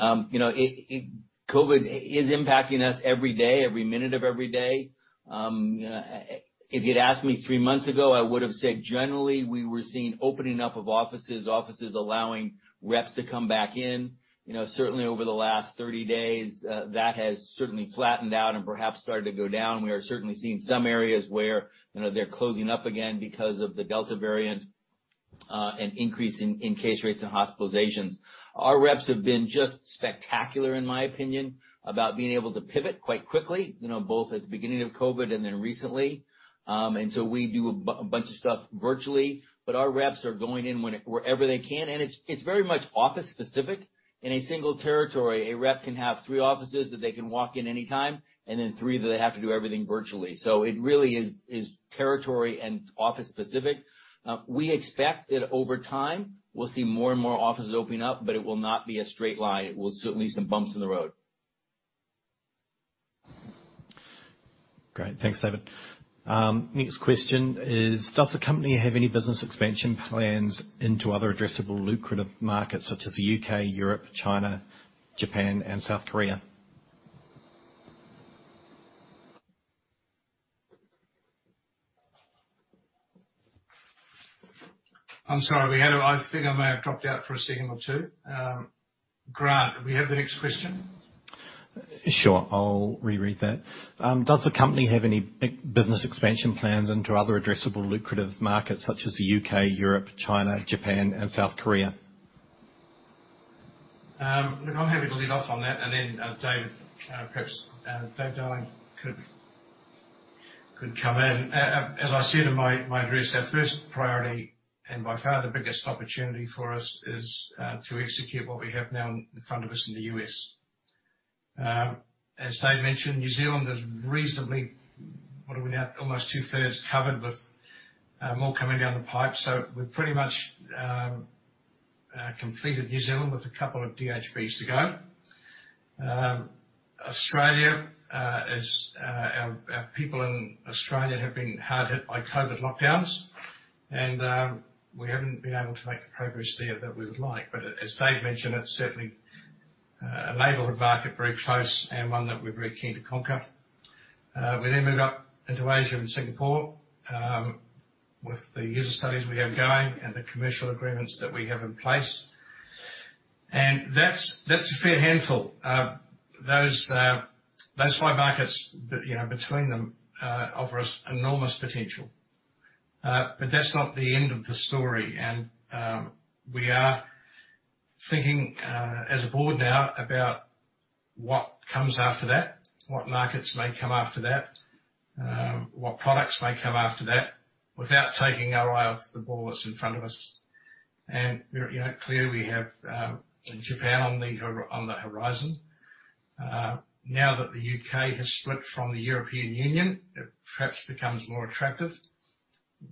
COVID is impacting us every day, every minute of every day. If you'd asked me three months ago, I would've said generally, we were seeing opening up of offices allowing reps to come back in. Certainly over the last 30 days, that has certainly flattened out and perhaps started to go down. We are certainly seeing some areas where they're closing up again because of the Delta variant, an increase in case rates and hospitalizations. Our reps have been just spectacular, in my opinion, about being able to pivot quite quickly, both at the beginning of COVID and then recently. We do a bunch of stuff virtually, but our reps are going in wherever they can, and it's very much office specific. In a single territory, a rep can have three offices that they can walk in anytime, and then three that they have to do everything virtually. It really is territory and office specific. We expect that over time, we'll see more and more offices opening up, but it will not be a straight line. It will certainly some bumps in the road. Great. Thanks, David. Next question is, does the company have any business expansion plans into other addressable lucrative markets such as the U.K., Europe, China, Japan, and South Korea? I'm sorry. I think I may have dropped out for a second or two. Grant, do we have the next question? Sure. I'll reread that. Does the company have any business expansion plans into other addressable lucrative markets such as the U.K., Europe, China, Japan, and South Korea? Look, I'm happy to lead off on that, and then perhaps David Darling could come in. As I said in my address, our first priority, and by far the biggest opportunity for us, is to execute what we have now in front of us in the U.S. As Dave mentioned, New Zealand is reasonably, what are we now? Almost 2/3 covered with more coming down the pipe. We've pretty much completed New Zealand with a couple of DHBs to go. Australia. Our people in Australia have been hard hit by COVID lockdowns, and we haven't been able to make the progress there that we would like. As Dave mentioned, it's certainly a neighborhood market, very close, and one that we're very keen to conquer. We move up into Asia and Singapore with the user studies we have going and the commercial agreements that we have in place. That's a fair handful. Those five markets, between them, offer us enormous potential. That's not the end of the story. We are thinking, as a board now, about what comes after that, what markets may come after that, what products may come after that, without taking our eye off the ball that's in front of us. We're clear we have Japan on the horizon. Now that the U.K. has split from the European Union, it perhaps becomes more attractive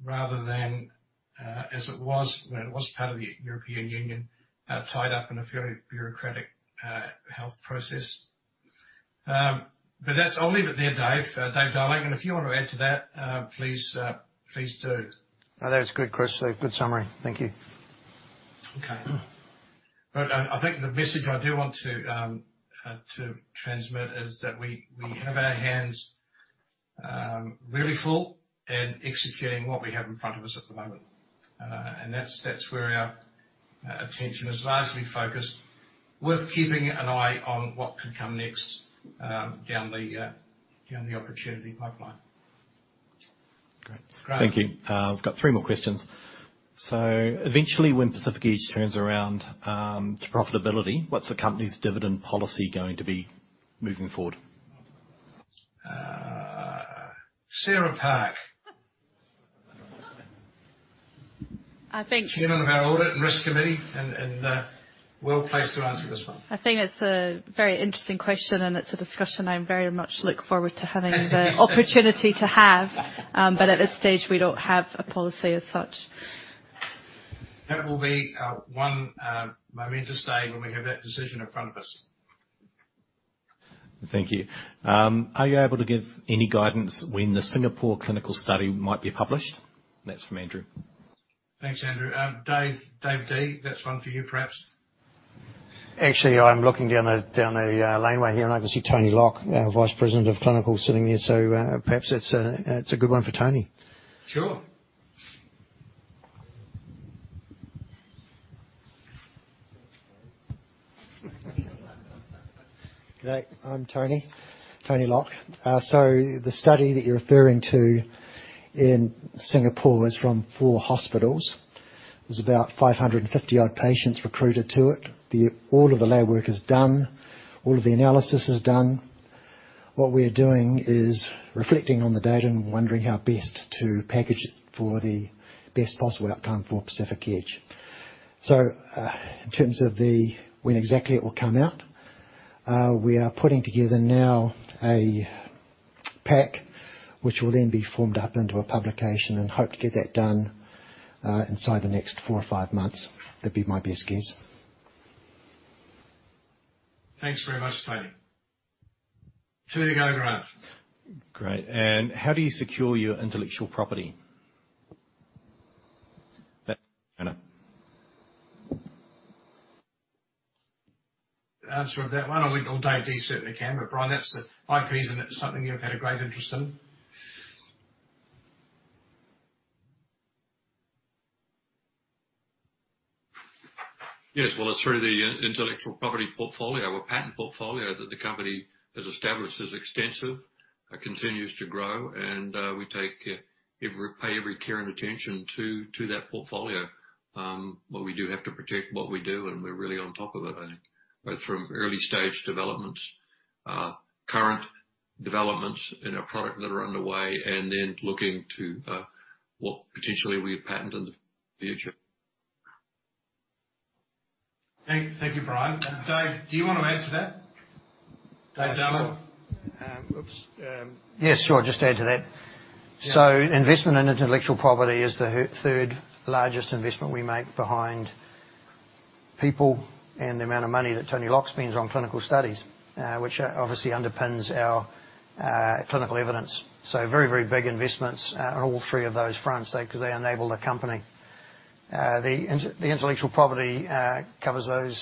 rather than as it was when it was part of the European Union, tied up in a very bureaucratic health process. I'll leave it there, David. David Darling, if you want to add to that, please do. No, that's good, Chris. Good summary. Thank you. Okay. I think the message I do want to transmit is that we have our hands really full in executing what we have in front of us at the moment. That's where our attention is largely focused, with keeping an eye on what could come next down the opportunity pipeline. Great. Grant. Thank you. I've got three more questions. Eventually, when Pacific Edge turns around to profitability, what's the company's dividend policy going to be moving forward? Sarah Park. I think- Chair of our Audit and Risk Committee and well-placed to answer this one. I think it's a very interesting question, and it's a discussion I very much look forward to the opportunity to have. At this stage, we don't have a policy as such. That will be one momentous day when we have that decision in front of us. Thank you. Are you able to give any guidance when the Singapore clinical study might be published? That is from Andrew. Thanks, Andrew. Dave Darling, that's one for you, perhaps. Actually, I'm looking down the laneway here, and I can see Tony Lock, our Vice President of Clinical, sitting here. Perhaps it's a good one for Tony. Sure. Good day. I'm Tony Lock. The study that you're referring to in Singapore is from four hospitals. There's about 550-odd patients recruited to it. All of the lab work is done. All of the analysis is done. What we are doing is reflecting on the data and wondering how best to package it for the best possible outcome for Pacific Edge. In terms of when exactly it will come out, we are putting together now a pack which will then be formed up into a publication and hope to get that done inside the next four or five months. That'd be my best guess. Thanks very much, Tony. Two to go, Grant. Great. How do you secure your intellectual property? That's from Anna. The answer of that one, I think old Dave Darling certainly can. Bryan, that's my reason. It's something you've had a great interest in. Yes. Well, it's through the intellectual property portfolio, our patent portfolio that the company has established is extensive, continues to grow, and we pay every care and attention to that portfolio, where we do have to protect what we do, and we're really on top of it, I think. Both from early-stage developments, current developments in our product that are underway, and then looking to what potentially we would patent in the future. Thank you, Bryan. David, do you want to add to that? David Darling? Sure. Oops. Yeah, sure. Just add to that. Yeah. Investment in intellectual property is the third-largest investment we make behind people and the amount of money that Tony Lock spends on clinical studies, which obviously underpins our clinical evidence. Very big investments on all three of those fronts, because they enable the company. The intellectual property covers those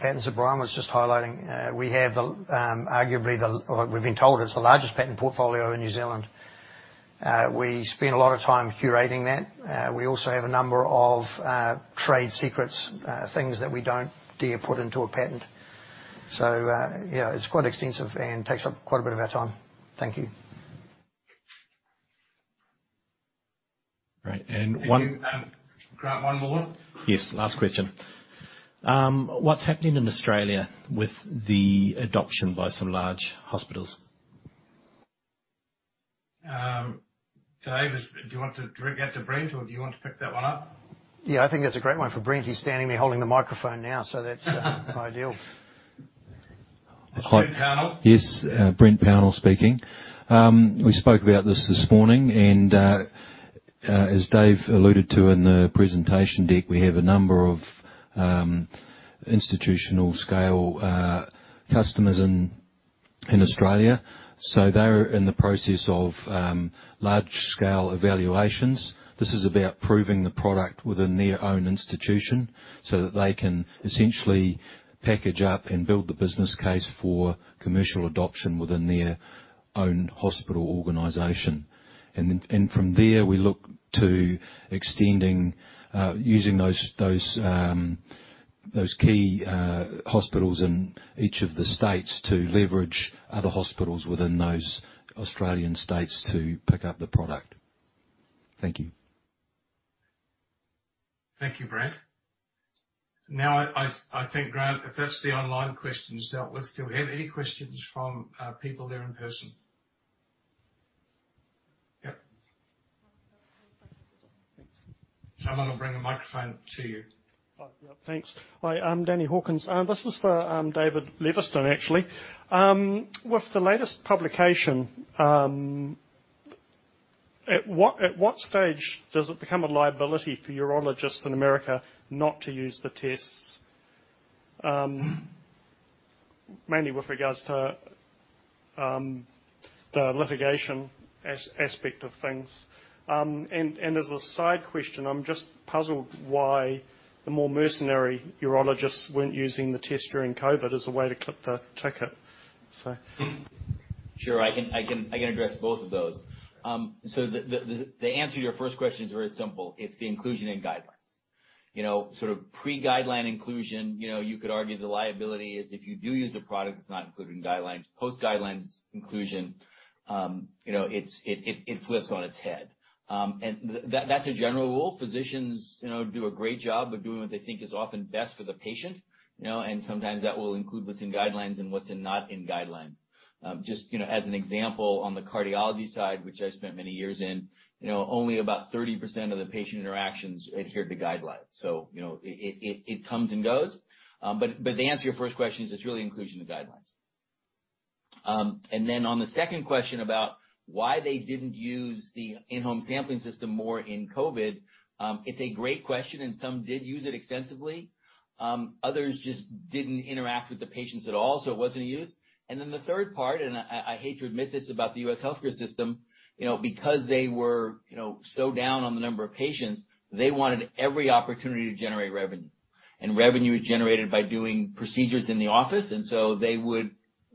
patents that Bryan Williams was just highlighting. We've been told it's the largest patent portfolio in New Zealand. We spend a lot of time curating that. We also have a number of trade secrets, things that we don't dare put into a patent. It's quite extensive and takes up quite a bit of our time. Thank you. Great. Thank you. Grant, one more? Yes, last question. What's happening in Australia with the adoption by some large hospitals? Dave, do you want to direct that to Brent, or do you want to pick that one up? Yeah, I think that's a great one for Brent. He's standing there holding the microphone now, so that's ideal. It's Brent Pownall. Yes. Brent Pownall speaking. We spoke about this this morning, and as Dave alluded to in the presentation deck, we have a number of institutional-scale customers in Australia. They're in the process of large-scale evaluations. This is about proving the product within their own institution so that they can essentially package up and build the business case for commercial adoption within their own hospital organization. From there, we look to extending, using those key hospitals in each of the states to leverage other hospitals within those Australian states to pick up the product. Thank you. Thank you, Brent Pownall. I think, Grant, if that's the online questions dealt with, do we have any questions from people there in person? Yep. Someone will bring a microphone to you. Oh, yeah. Thanks. Hi, I'm Danny Hawkins. This is for David Levison, actually. With the latest publication, at what stage does it become a liability for urologists in America not to use the tests, mainly with regards to the litigation aspect of things? As a side question, I'm just puzzled why the more mercenary urologists weren't using the test during COVID as a way to clip the ticket. Sure. I can address both of those. The answer to your first question is very simple. It's the inclusion in guidelines. Sort of pre-guideline inclusion, you could argue the liability is if you do use a product that's not included in guidelines. Post-guidelines inclusion, it flips on its head. That's a general rule. Physicians do a great job of doing what they think is often best for the patient. Sometimes that will include what's in guidelines and what's not in guidelines. Just as an example, on the cardiology side, which I spent many years in, only about 30% of the patient interactions adhere to guidelines. It comes and goes. To answer your first question is it's really inclusion in the guidelines. On the second question about why they didn't use the in-home sampling system more in COVID, it's a great question, some did use it extensively. Others just didn't interact with the patients at all, so it wasn't used. The third part, and I hate to admit this about the U.S. healthcare system, because they were so down on the number of patients, they wanted every opportunity to generate revenue. Revenue is generated by doing procedures in the office, and so they would,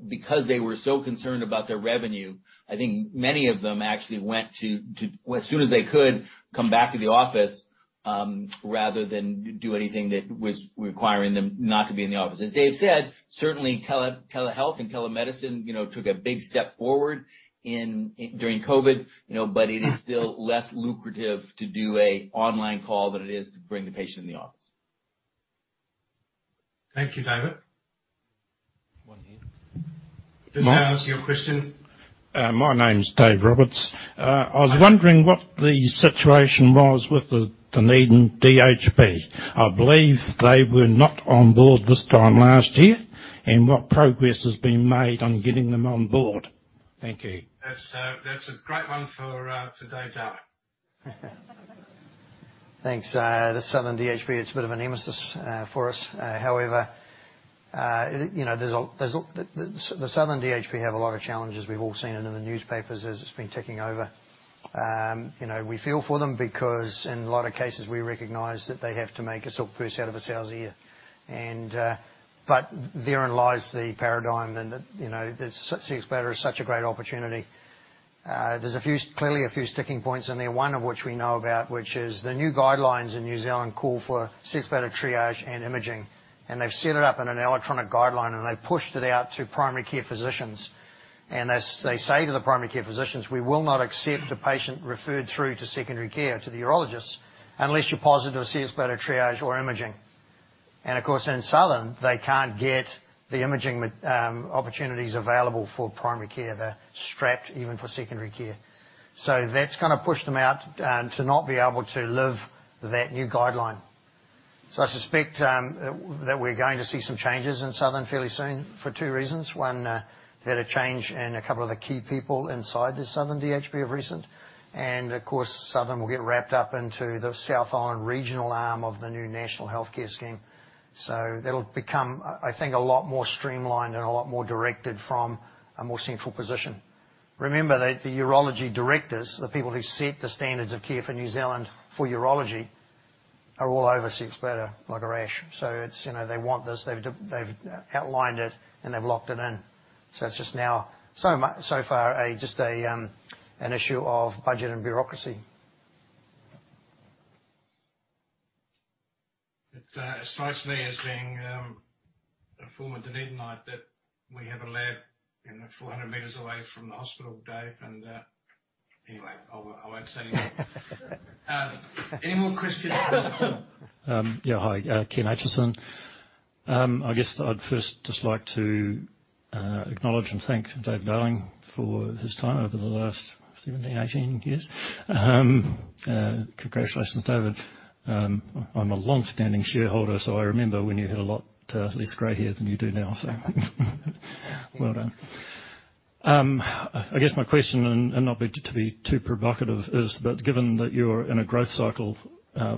because they were so concerned about their revenue, I think many of them actually went to, as soon as they could, come back to the office, rather than do anything that was requiring them not to be in the office. As David Levison said, certainly, telehealth and telemedicine took a big step forward during COVID. It is still less lucrative to do an online call than it is to bring the patient in the office. Thank you, David. One here. This guy has your question. My name's Dave Roberts. Hi. I was wondering what the situation was with the Otago DHB. I believe they were not on board this time last year, and what progress has been made on getting them on board. Thank you. That's a great one for David Darling. Thanks. The Southern DHB, it's a bit of a nemesis for us. However, the Southern DHB have a lot of challenges. We've all seen it in the newspapers as it's been ticking over. We feel for them because in a lot of cases, we recognize that they have to make a silk purse out of a sow's ear. Therein lies the paradigm, and that Cxbladder is such a great opportunity. There's clearly a few sticking points in there, one of which we know about, which is the new guidelines in New Zealand call for Cxbladder Triage and imaging. They've set it up in an electronic guideline, and they've pushed it out to primary care physicians. They say to the primary care physicians, "We will not accept a patient referred through to secondary care to the urologist unless you're positive for Cxbladder Triage or imaging." Of course, in Southern, they can't get the imaging opportunities available for primary care. They're strapped even for secondary care. That's kind of pushed them out to not be able to live that new guideline. I suspect that we're going to see some changes in Southern fairly soon for two reasons. One, they had a change in a couple of the key people inside the Southern DHB of recent. Of course, Southern will get wrapped up into the South Island regional arm of the new national healthcare scheme. That'll become, I think, a lot more streamlined and a lot more directed from a more central position. Remember that the urology directors, the people who set the standards of care for New Zealand for urology, are all over Cxbladder like a rash. They want this, they've outlined it, and they've locked it in. It's just now, so far, just an issue of budget and bureaucracy. It strikes me as being a former Dunedin life that we have a lab 400 m away from the hospital, Dave, and Anyway, I won't say anymore. Any more questions? Yeah. Hi, Ken Acheson. I guess I'd first just like to acknowledge and thank David Darling for his time over the last 17, 18 years. Congratulations, David. I'm a longstanding shareholder, so I remember when you had a lot less gray hair than you do now, so well done. I guess my question, and not to be too provocative, is that given that you're in a growth cycle,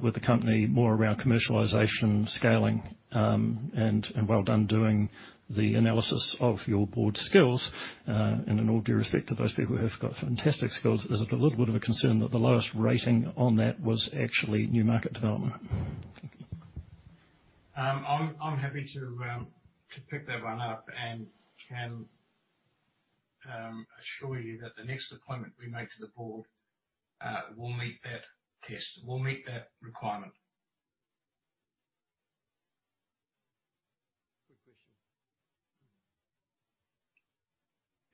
with the company more around commercialization, scaling, and well done doing the analysis of your board skills, and in all due respect to those people who have got fantastic skills, is it a little bit of a concern that the lowest rating on that was actually new market development? I'm happy to pick that one up, and Ken, assure you that the next appointment we make to the board, will meet that test, will meet that requirement. Good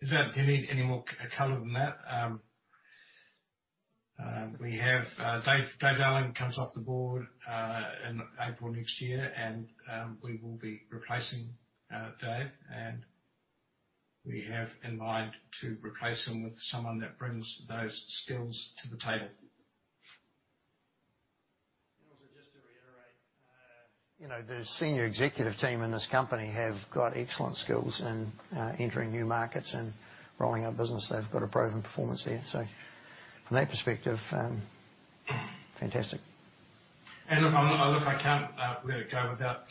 question. Is there any more color than that? We have David Darling comes off the board in April next year, and we will be replacing Dave, and we have in mind to replace him with someone that brings those skills to the table. Also just to reiterate, the senior executive team in this company have got excellent skills in entering new markets and growing our business. They've got a proven performance there. From that perspective, fantastic. Look, I can't let it go without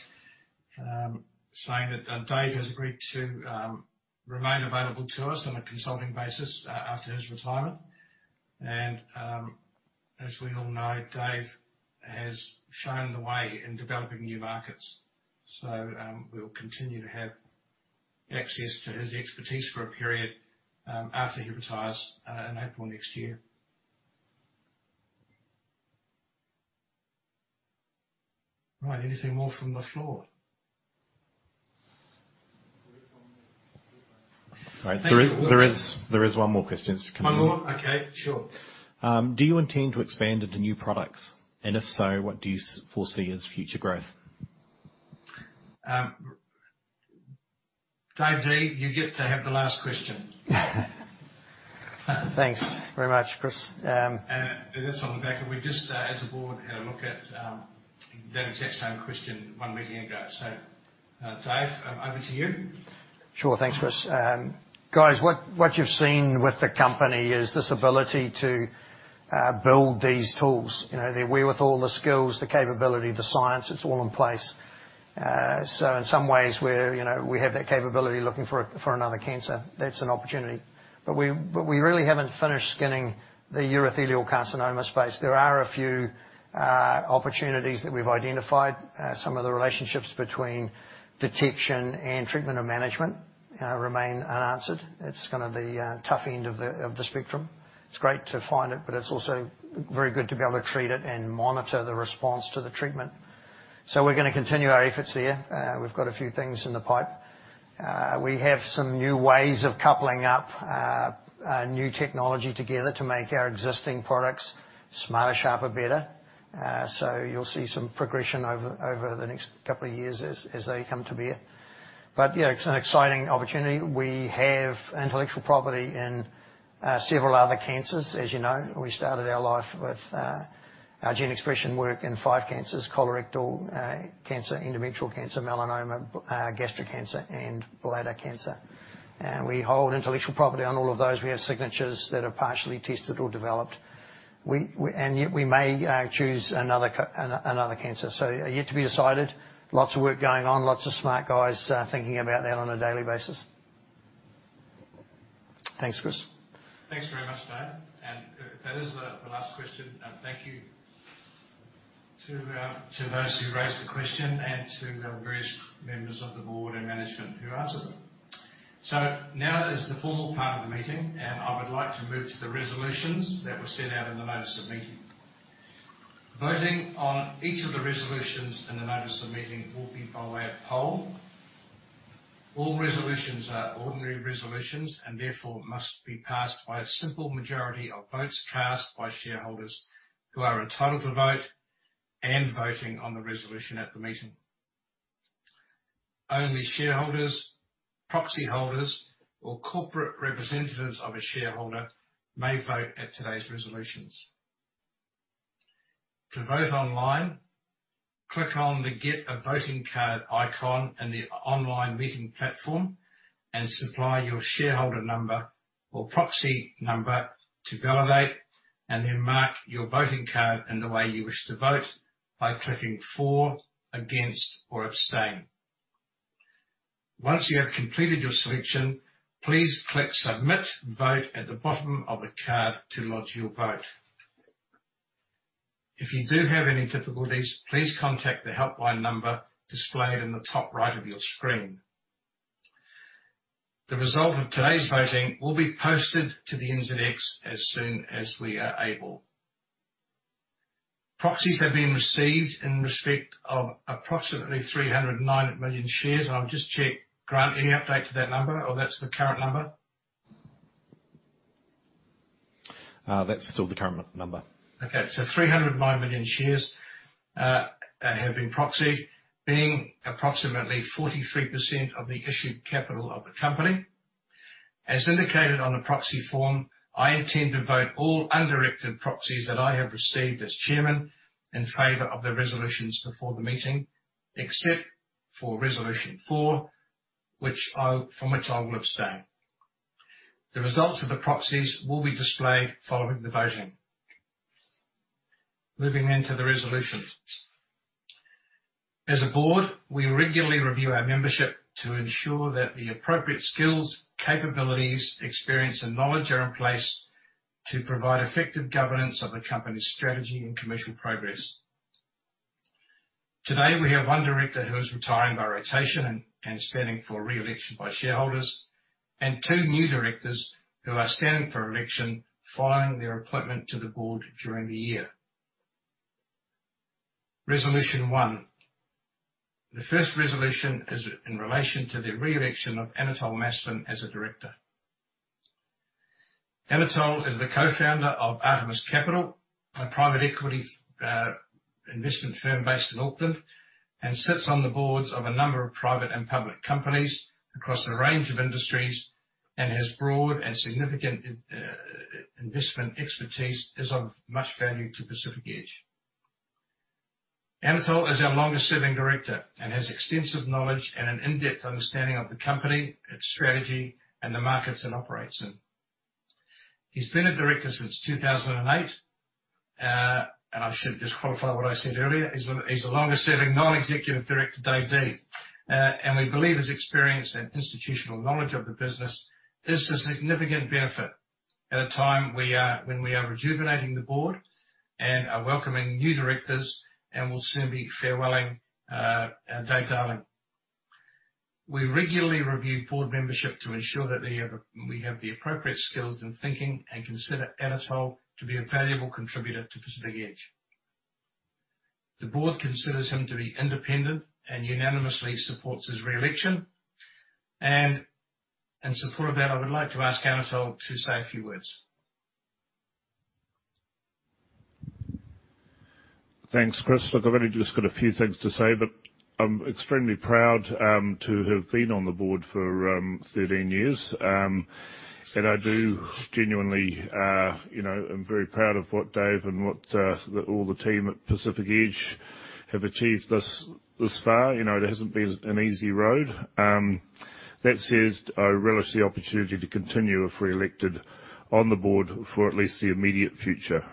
saying that Dave has agreed to remain available to us on a consulting basis after his retirement. As we all know, Dave has shown the way in developing new markets. We'll continue to have access to his expertise for a period after he retires in April next year. Right. Anything more from the floor? All right. There is one more question to come in. One more? Okay. Sure. Do you intend to expand into new products? If so, what do you foresee as future growth? Dave Darling, you get to have the last question. Thanks very much, Chris. That's on the back of we just, as a board, had a look at, that exact same question one week ago. Dave, over to you. Sure. Thanks, Chris. Guys, what you've seen with the company is this ability to build these tools. The wherewithal, the skills, the capability, the science, it's all in place. In some ways, we have that capability looking for another cancer. That's an opportunity. We really haven't finished skinning the urothelial carcinoma space. There are a few opportunities that we've identified. Some of the relationships between detection and treatment or management remain unanswered. It's kind of the tough end of the spectrum. It's great to find it, but it's also very good to be able to treat it and monitor the response to the treatment. We're gonna continue our efforts there. We've got a few things in the pipe. We have some new ways of coupling up new technology together to make our existing products smarter, sharper, better. You'll see some progression over the next a couple of years as they come to bear. Yeah, it's an exciting opportunity. We have intellectual property in several other cancers as you know. We started our life with our gene expression work in five cancers, colorectal cancer, endometrial cancer, melanoma, gastric cancer, and bladder cancer. We hold intellectual property on all of those. We have signatures that are partially tested or developed. We, yet we may choose another cancer. Yet to be decided. Lots of work going on. Lots of smart guys thinking about that on a daily basis. Thanks, Chris. Thanks very much, Dave. If that is the last question, thank you to those who raised the question and to the various members of the board and management who answered them. Now is the formal part of the meeting. I would like to move to the resolutions that were sent out in the notice of meeting. Voting on each of the resolutions in the notice of meeting will be by way of poll. All resolutions are ordinary resolutions and therefore must be passed by a simple majority of votes cast by shareholders who are entitled to vote and voting on the resolution at the meeting. Only shareholders, proxy holders, or corporate representatives of a shareholder may vote at today's resolutions. To vote online, click on the Get a Voting Card icon in the online meeting platform and supply your shareholder number or proxy number to validate, then mark your voting card in the way you wish to vote by clicking For, Against, or Abstain. Once you have completed your selection, please click Submit Vote at the bottom of the card to lodge your vote. If you do have any difficulties, please contact the helpline number displayed in the top right of your screen. The result of today's voting will be posted to the NZX 50 Index as soon as we are able. Proxies have been received in respect of approximately 309 million shares. I'll just check, Grant, any update to that number or that's the current number? That's still the current number. Okay. 309 million shares have been proxied, being approximately 43% of the issued capital of the company. As indicated on the proxy form, I intend to vote all undirected proxies that I have received as Chairman in favor of the resolutions before the meeting, except for resolution four, from which I will abstain. The results of the proxies will be displayed following the voting. Moving into the resolutions. As a board, we regularly review our membership to ensure that the appropriate skills, capabilities, experience, and knowledge are in place to provide effective governance of the company's strategy and commercial progress. Today we have one director who is retiring by rotation and standing for re-election by shareholders, and two new directors who are standing for election following their appointment to the board during the year. Resolution one. The first resolution is in relation to the re-election of Anatole Masfen as a Director. Anatole is the co-founder of Artemis Capital, a private equity investment firm based in Auckland, and sits on the boards of a number of private and public companies across a range of industries, and his broad and significant investment expertise is of much value to Pacific Edge. Anatole is our longest serving Director and has extensive knowledge and an in-depth understanding of the company, its strategy, and the markets it operates in. He's been a Director since 2008. I should just qualify what I said earlier, he's the longest serving non-executive Director, David Darling. We believe his experience and institutional knowledge of the business is a significant benefit at a time when we are rejuvenating the board and are welcoming new Directors and will soon be farewelling David Darling. We regularly review board membership to ensure that we have the appropriate skills and thinking, and consider Anatole to be a valuable contributor to Pacific Edge. The board considers him to be independent and unanimously supports his re-election. In support of that, I would like to ask Anatole to say a few words. Thanks, Chris. Look, I've only just got a few things to say, but I'm extremely proud to have been on the board for 13 years. I do genuinely, I'm very proud of what Dave and what all the team at Pacific Edge have achieved thus far. It hasn't been an easy road. That said, I relish the opportunity to continue, if re-elected, on the board for at least the immediate future.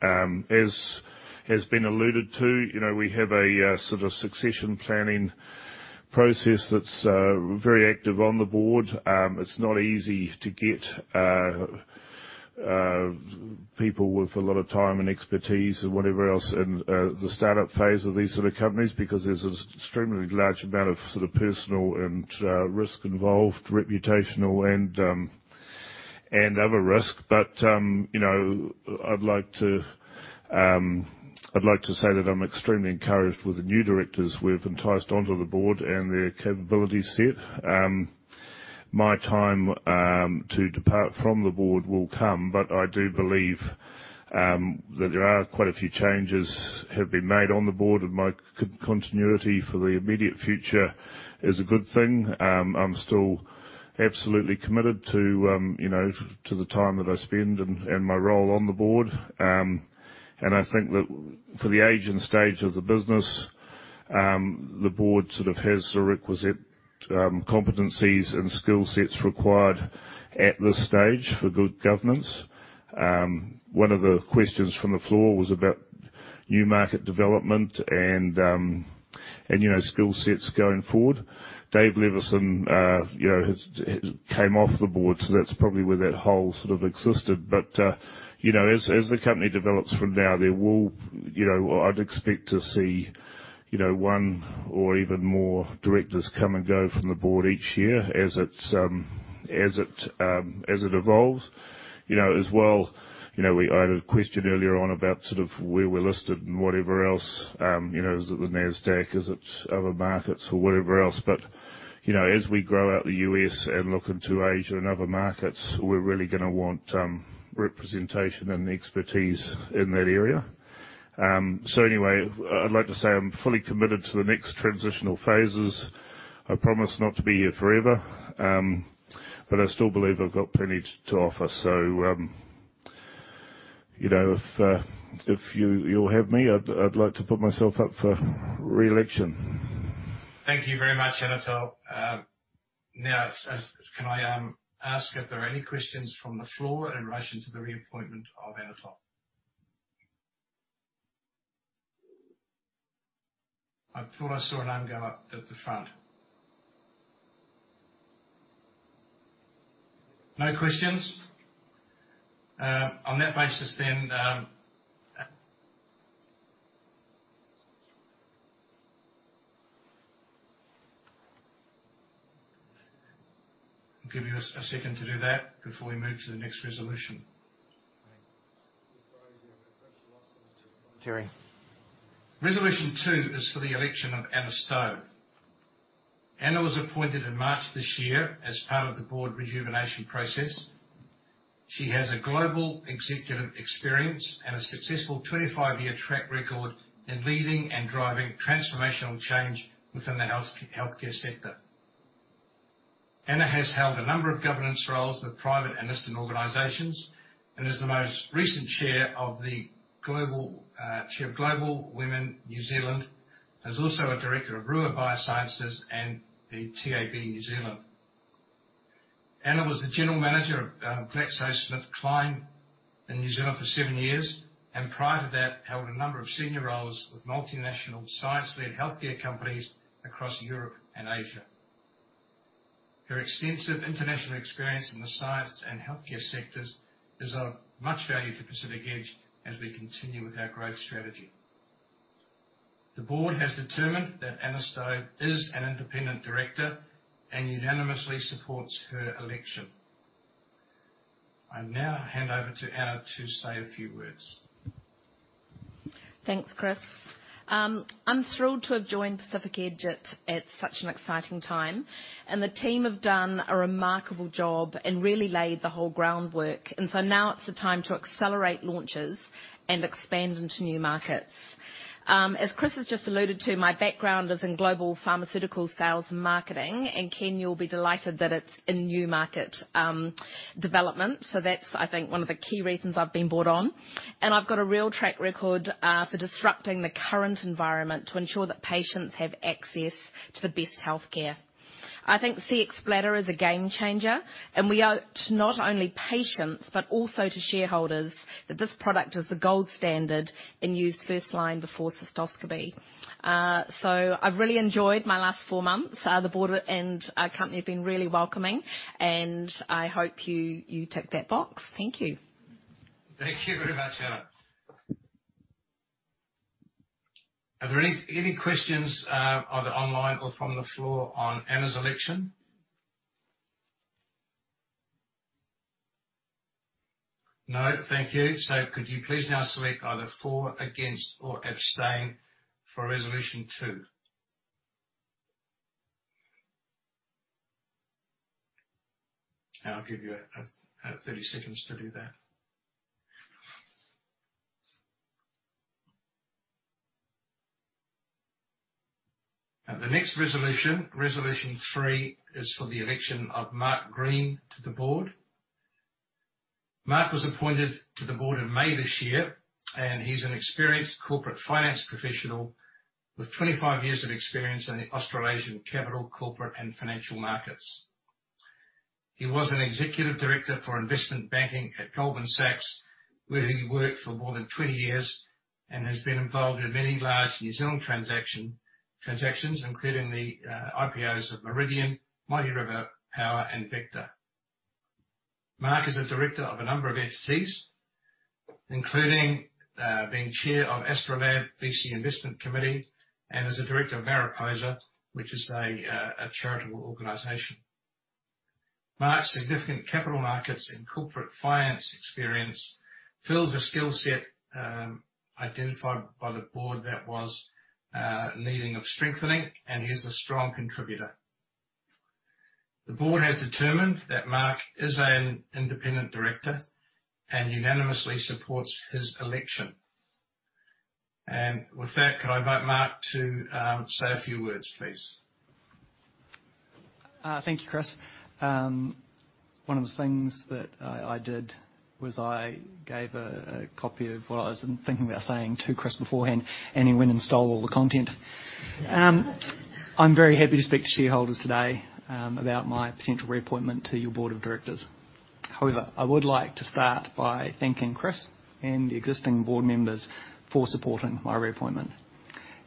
As has been alluded to, we have a sort of succession planning process that's very active on the board. It's not easy to get people with a lot of time and expertise and whatever else in the startup phase of these sort of companies, because there's an extremely large amount of personal and risk involved, reputational and other risk. I'd like to say that I'm extremely encouraged with the new directors we've enticed onto the board and their capability set. My time to depart from the board will come, but I do believe that there are quite a few changes have been made on the board, and my continuity for the immediate future is a good thing. I'm still absolutely committed to the time that I spend and my role on the board. I think that for the age and stage of the business, the board sort of has the requisite competencies and skill sets required at this stage for good governance. One of the questions from the floor was about new market development and skill sets going forward. David Levison has came off the board, so that's probably where that hole sort of existed. As the company develops from now, I'd expect to see one or even more directors come and go from the board each year as it evolves. As well, I had a question earlier on about sort of where we're listed and whatever else. Is it the Nasdaq? Is it other markets or whatever else? As we grow out the U.S. and look into Asia and other markets, we're really gonna want representation and expertise in that area. Anyway, I'd like to say I'm fully committed to the next transitional phases. I promise not to be here forever. I still believe I've got plenty to offer. If you'll have me, I'd like to put myself up for re-election. Thank you very much, Anatole. Can I ask if there are any questions from the floor in relation to the reappointment of Anatole? I thought I saw a hand go up at the front. No questions? On that basis, I'll give you a second to do that before we move to the next resolution. Resolution two is for the election of Anna Stove. Anna was appointed in March this year as part of the board rejuvenation process. She has global executive experience and a successful 25-year track record in leading and driving transformational change within the healthcare sector. Anna has held a number of governance roles with private and listed organizations and is the most recent chair of Global Women New Zealand, and is also a director of Rua Bioscience and the TAB New Zealand. Anna was the general manager of GlaxoSmithKline in New Zealand for seven years, and prior to that, held a number of senior roles with multinational science-led healthcare companies across Europe and Asia. Her extensive international experience in the science and healthcare sectors is of much value to Pacific Edge as we continue with our growth strategy. The board has determined that Anna Stove is an independent director and unanimously supports her election. I now hand over to Anna to say a few words. Thanks, Chris. I'm thrilled to have joined Pacific Edge at such an exciting time. The team have done a remarkable job and really laid the whole groundwork. Now it's the time to accelerate launches and expand into new markets. As Chris has just alluded to, my background is in global pharmaceutical sales and marketing. Ken, you'll be delighted that it's in new market development. That's, I think, one of the key reasons I've been brought on. I've got a real track record for disrupting the current environment to ensure that patients have access to the best healthcare. I think Cxbladder is a game changer. We owe it to not only patients, but also to shareholders that this product is the gold standard and used first line before cystoscopy. I've really enjoyed my last four months. The board and company have been really welcoming, and I hope you tick that box. Thank you. Thank you very much, Anna. Are there any questions, either online or from the floor on Anna's election? No. Thank you. Could you please now select either for, against, or abstain for resolution two. I'll give you 30 seconds to do that. The next resolution three, is for the election of Mark Green to the Board. Mark was appointed to the Board in May this year. He's an experienced corporate finance professional with 25 years of experience in the Australasian capital, corporate, and financial markets. He was an executive director for investment banking at Goldman Sachs, where he worked for more than 20 years and has been involved in many large New Zealand transactions, including the IPOs of Meridian, Mighty River Power, and Vector. Mark is a Director of a number of entities, including being Chair of Astrolabe VC Investment Committee, and is a Director of Mary Potter, which is a charitable organization. Mark's significant capital markets and corporate finance experience fills a skill set identified by the Board that was needing of strengthening. He is a strong contributor. The Board has determined that Mark is an independent director and unanimously supports his election. With that, could I invite Mark to say a few words, please? Thank you, Chris. One of the things that I did was I gave a copy of what I was thinking about saying to Chris beforehand, and he went and stole all the content. However, I would like to start by thanking Chris and the existing board members for supporting my reappointment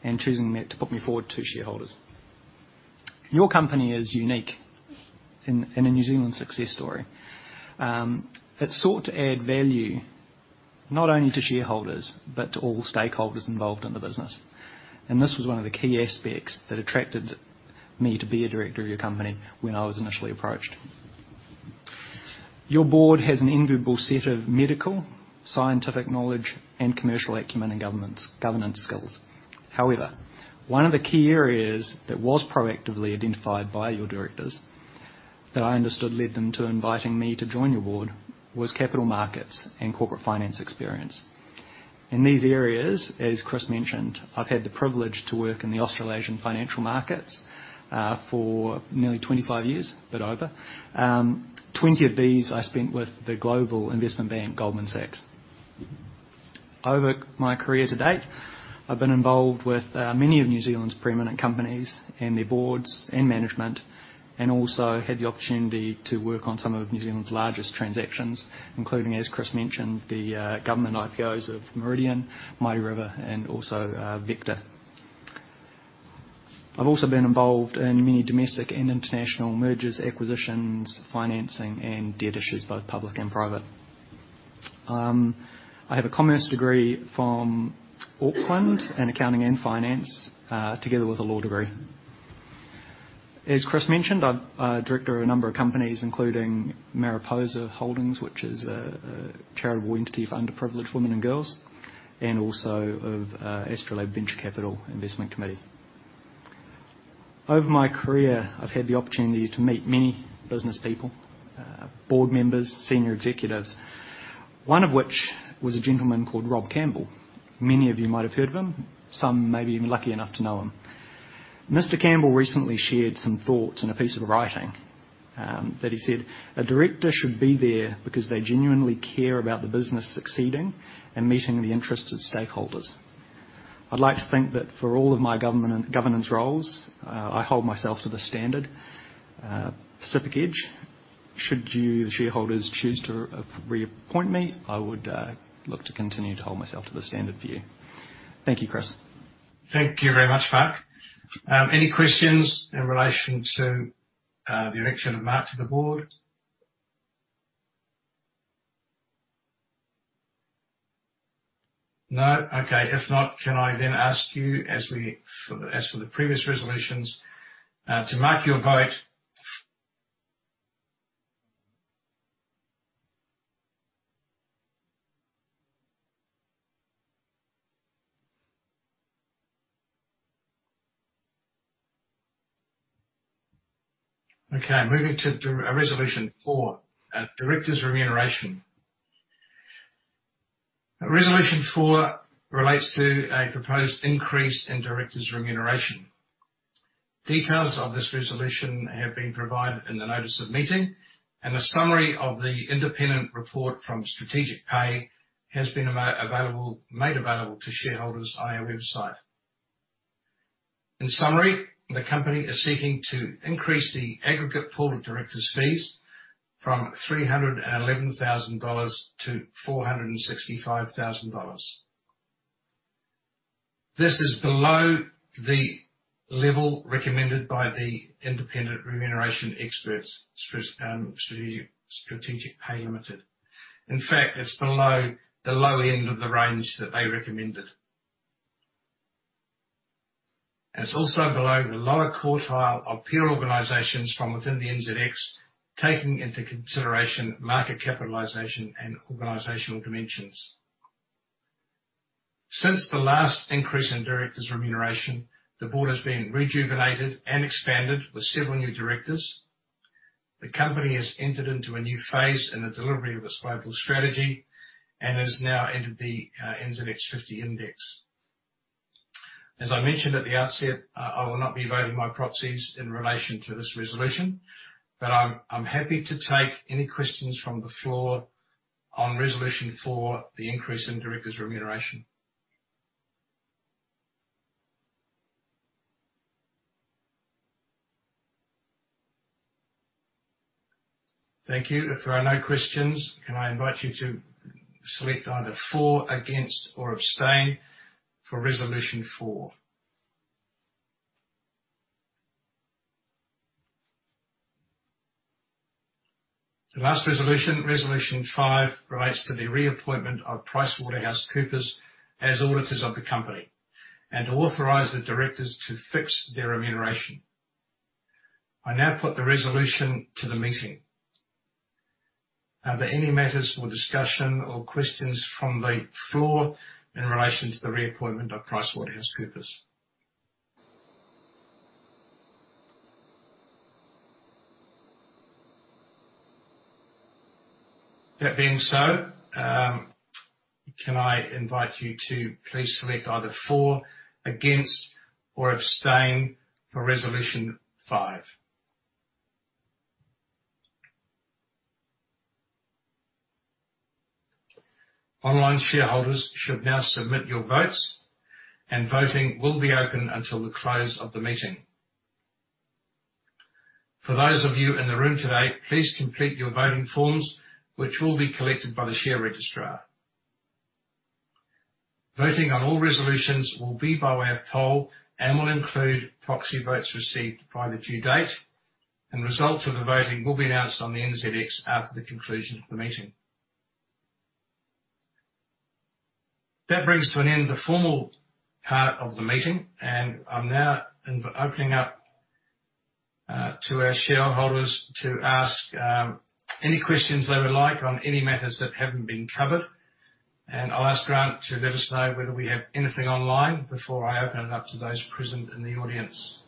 and choosing me to put me forward to shareholders. Your company is unique and a New Zealand success story. It sought to add value not only to shareholders, but to all stakeholders involved in the business. This was one of the key aspects that attracted me to be a director of your company when I was initially approached. Your board has an enviable set of medical, scientific knowledge, and commercial acumen, and governance skills. However, one of the key areas that was proactively identified by your directors that I understood led them to inviting me to join your board was capital markets and corporate finance experience. In these areas, as Chris mentioned, I've had the privilege to work in the Australasian financial markets for nearly 25 years, a bit over. 20 years of these I spent with the global investment bank, Goldman Sachs. Over my career to date, I've been involved with many of New Zealand's preeminent companies and their boards and management, and also had the opportunity to work on some of New Zealand's largest transactions, including, as Chris mentioned, the government IPOs of Meridian, Mighty River, and also Vector. I've also been involved in many domestic and international mergers, acquisitions, financing, and debt issues, both public and private. I have a commerce degree from Auckland in accounting and finance, together with a law degree. As Chris mentioned, I am a director of a number of companies, including Mary Potter Holdings, which is a charitable entity for underprivileged women and girls, and also of Astrolabe Venture Capital Investment Committee. Over my career, I have had the opportunity to meet many business people, board members, senior executives, one of which was a gentleman called Rob Campbell. Many of you might have heard of him. Some may be even lucky enough to know him. Mr. Campbell recently shared some thoughts in a piece of writing that he said, "A director should be there because they genuinely care about the business succeeding and meeting the interests of stakeholders." I would like to think that for all of my governance roles, I hold myself to this standard. Should you, the shareholders, choose to reappoint me, I would look to continue to hold myself to the standard for you. Thank you, Chris. Thank you very much, Mark. Any questions in relation to the election of Mark to the board? No. Okay. If not, can I ask you, as for the previous resolutions, to mark your vote. Okay, moving to resolution four, directors' remuneration. Resolution four relates to a proposed increase in directors' remuneration. Details of this resolution have been provided in the notice of meeting, and a summary of the independent report from Strategic Pay has been made available to shareholders via our website. In summary, the company is seeking to increase the aggregate pool of directors' fees from 311,000 dollars to 465,000 dollars. This is below the level recommended by the independent remuneration experts, Strategic Pay Limited. In fact, it's below the low end of the range that they recommended. It's also below the lower quartile of peer organizations from within the NZX 50 Index, taking into consideration market capitalization and organizational dimensions. Since the last increase in directors' remuneration, the board has been rejuvenated and expanded with several new directors. The company has entered into a new phase in the delivery of its global strategy and has now entered the NZX 50 Index. As I mentioned at the outset, I will not be voting my proxies in relation to this resolution, but I'm happy to take any questions from the floor on resolution four for the increase in directors' remuneration. Thank you. If there are no questions, may I invite you to select either for, against, or abstain for resolution four. The last resolution five, relates to the reappointment of PricewaterhouseCoopers as auditors of the company and to authorize the directors to fix their remuneration. I now put the resolution to the meeting. Are there any matters for discussion or questions from the floor in relation to the reappointment of PricewaterhouseCoopers? That being so, can I invite you to please select either for, against, or abstain for resolution five. Online shareholders should now submit your votes, and voting will be open until the close of the meeting. For those of you in the room today, please complete your voting forms, which will be collected by the share registrar. Voting on all resolutions will be by way of poll and will include proxy votes received by the due date, and results of the voting will be announced on the NZX 50 Index after the conclusion of the meeting. That brings to an end the formal part of the meeting, and I'm now opening up to our shareholders to ask any questions they would like on any matters that haven't been covered. I'll ask Grant to let us know whether we have anything online before I open it up to those present in the audience.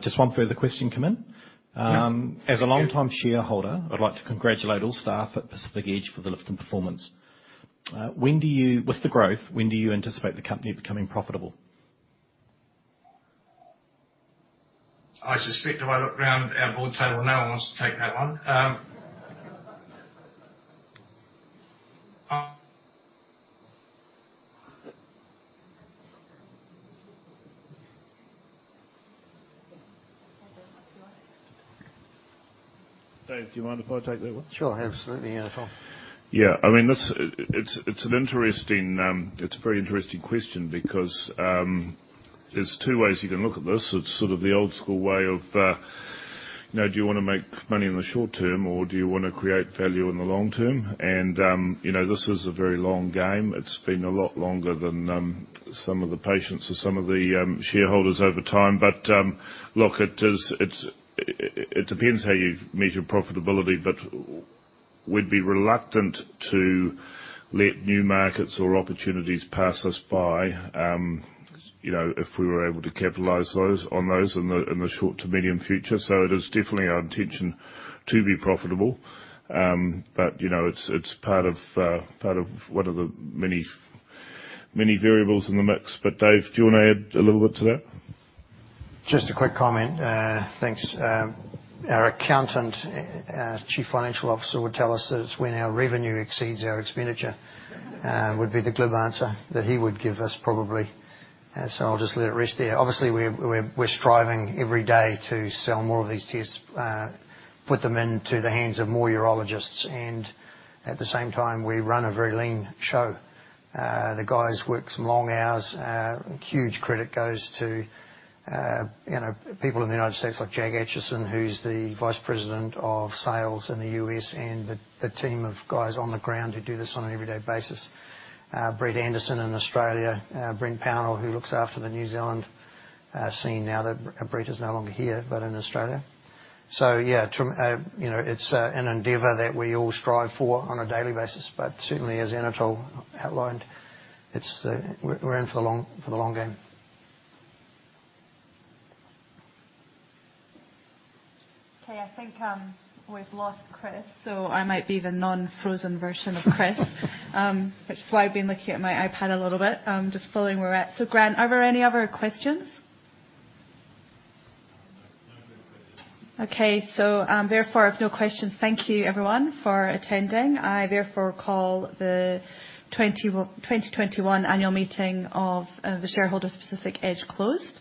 Just one further question come in. Yeah. As a longtime shareholder, I'd like to congratulate all staff at Pacific Edge for the lift in performance. With the growth, when do you anticipate the company becoming profitable? I suspect if I look around our board table, no one wants to take that one. Dave, do you mind if I take that one? Sure. Absolutely, Anatole. Yeah. It's a very interesting question because there's two ways you can look at this. It's sort of the old school way of, do you want to make money in the short term, or do you want to create value in the long term? This is a very long game. It's been a lot longer than some of the patience of some of the shareholders over time. Look, it depends how you measure profitability, but we'd be reluctant to let new markets or opportunities pass us by, if we were able to capitalize on those in the short to medium future. It is definitely our intention to be profitable. It's part of one of the many variables in the mix. Dave, do you want to add a little bit to that? Just a quick comment. Thanks. Our accountant, Chief Financial Officer, would tell us that it's when our revenue exceeds our expenditure, would be the glib answer that he would give us, probably. I'll just let it rest there. Obviously, we're striving every day to sell more of these tests, put them into the hands of more urologists, and at the same time, we run a very lean show. The guys work some long hours. Huge credit goes to people in the U.S. like Jackie Acheson, who's the Vice President of Sales in the U.S., and the team of guys on the ground who do this on an everyday basis. Brent Pownall in Australia, Brent Pownall, who looks after the New Zealand scene now that Brett is no longer here, but in Australia. Yeah, it's an endeavor that we all strive for on a daily basis, but certainly, as Anatole outlined, we're in for the long game. Okay. I think we've lost Chris. I might be the non-frozen version of Chris. Which is why I've been looking at my iPad a little bit, just following where we're at. Grant, are there any other questions? No further questions. Therefore, if no questions, thank you everyone for attending. I therefore call the 2021 annual meeting of the shareholders of Pacific Edge closed.